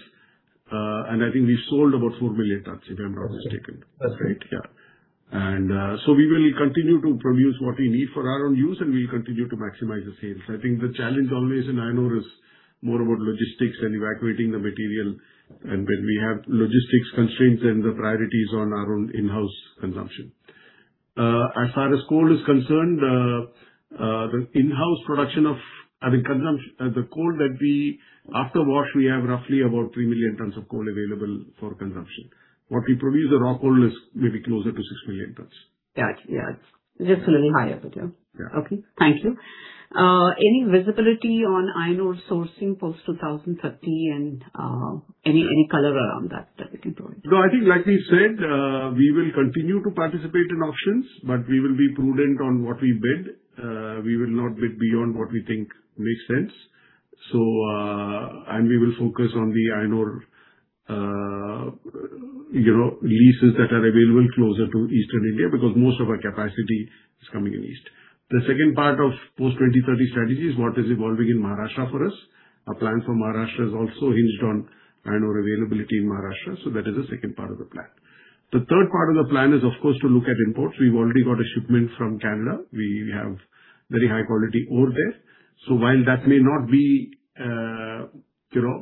I think we've sold about 4 million tons, if I'm not mistaken. That's right. Yeah. We will continue to produce what we need for our own use, and we'll continue to maximize the sales. I think the challenge always in iron ore is more about logistics and evacuating the material, and when we have logistics constraints and the priority is on our own in-house consumption. As far as coal is concerned, the in-house production of I mean, consumption, the coal that we after wash, we have roughly about 3 million tons of coal available for consumption. What we produce of raw coal is maybe closer to 6 million tons. Got you. Yeah. Just a little higher, but yeah. Yeah. Okay. Thank you. Any visibility on iron ore sourcing post 2030 and any color around that that we can throw in? No, I think like we said, we will continue to participate in auctions, but we will be prudent on what we bid. We will not bid beyond what we think makes sense. We will focus on the iron ore, you know, leases that are available closer to Eastern India because most of our capacity is coming in east. The second part of post 2030 strategy is what is evolving in Maharashtra for us. Our plan for Maharashtra is also hinged on iron ore availability in Maharashtra, that is the second part of the plan. The third part of the plan is, of course, to look at imports. We've already got a shipment from Canada. We have very high quality ore there. While that may not be, you know,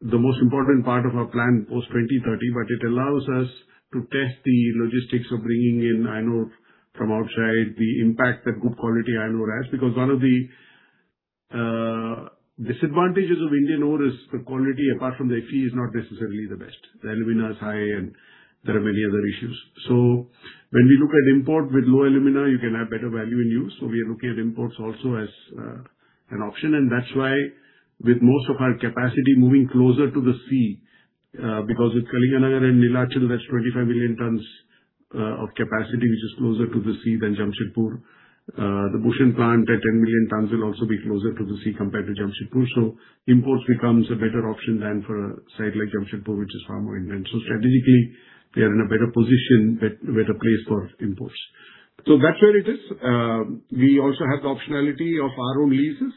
the most important part of our plan post 2030, but it allows us to test the logistics of bringing in iron ore from outside, the impact that good quality iron ore has. Because one of the disadvantages of Indian ore is the quality, apart from the Fe, is not necessarily the best. The alumina is high and there are many other issues. When we look at import with low alumina, you can have better value in use. We are looking at imports also as an option. That's why with most of our capacity moving closer to the sea, because with Kalinganagar and Neelachal, that's 25 million tons of capacity which is closer to the sea than Jamshedpur. The Bhushan plant at 10 million tons will also be closer to the sea compared to Jamshedpur. Imports becomes a better option than for a site like Jamshedpur, which is far more inland. Strategically, we are in a better position, better placed for imports. That's where it is. We also have the optionality of our own leases.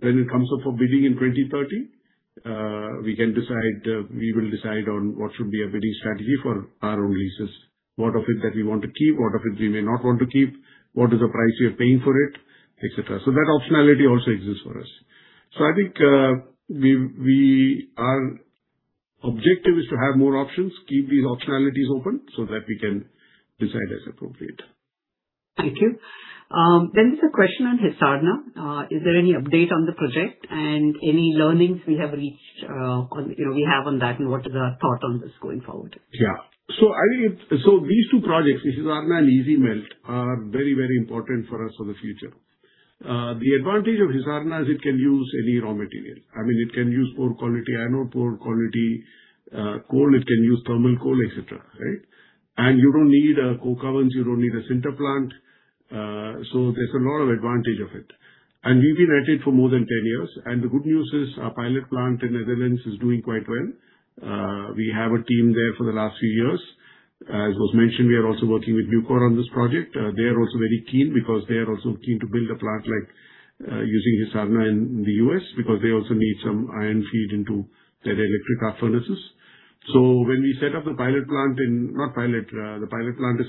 When it comes up for bidding in 2030, we can decide, we will decide on what should be a bidding strategy for our own leases. What of it that we want to keep, what of it we may not want to keep, what is the price we are paying for it, et cetera. That optionality also exists for us. I think, our objective is to have more options, keep these optionalities open so that we can decide as appropriate. Thank you. There's a question on HIsarna. Is there any update on the project and any learnings we have reached on, you know, we have on that and what is our thought on this going forward? I think these two projects, HIsarna and EASyMelt, are very, very important for us for the future. The advantage of HIsarna is it can use any raw material. I mean, it can use poor quality iron ore, poor quality coal, it can use thermal coal, et cetera. You don't need coke ovens, you don't need a sinter plant. There's a lot of advantage of it. We've been at it for more than 10 years. The good news is our pilot plant in Netherlands is doing quite well. We have a team there for the last few years. As was mentioned, we are also working with Nucor on this project. They are also very keen because they are also keen to build a plant like using HIsarna in the U.S. because they also need some iron feed into their electric arc furnaces. The pilot plant is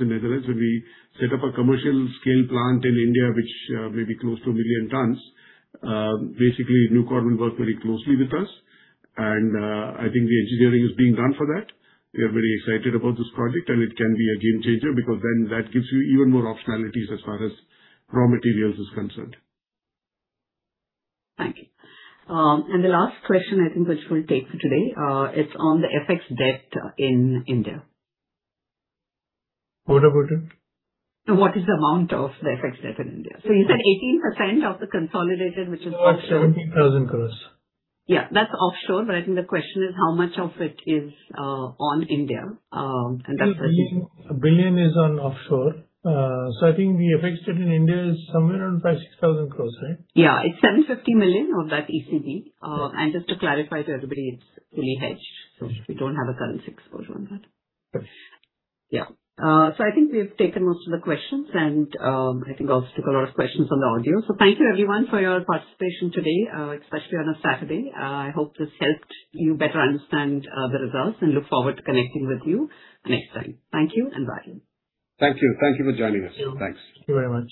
in Netherlands. When we set up a commercial scale plant in India, which may be close to 1 million tons, basically Nucor will work very closely with us. I think the engineering is being done for that. We are very excited about this project, and it can be a game changer because then that gives you even more optionalities as far as raw materials is concerned. Thank you. The last question I think which we'll take for today, is on the FX debt in India. What about it? What is the amount of the FX debt in India? You said 18% of the consolidated, which is offshore. 17,000 crores. Yeah, that's offshore. I think the question is how much of it is on India. $1 billion is on offshore. I think the FX debt in India is somewhere around 5,000-6,000 crores, right? Yeah. It's 750 million of that ECB. Just to clarify to everybody, it's fully hedged, so we don't have a currency exposure on that. Yes. Yeah. I think we've taken most of the questions, and I think I've also took a lot of questions on the audio. Thank you everyone for your participation today, especially on a Saturday. I hope this helped you better understand the results, and look forward to connecting with you next time. Thank you and bye. Thank you. Thank you for joining us. Thank you. Thanks. Thank you very much.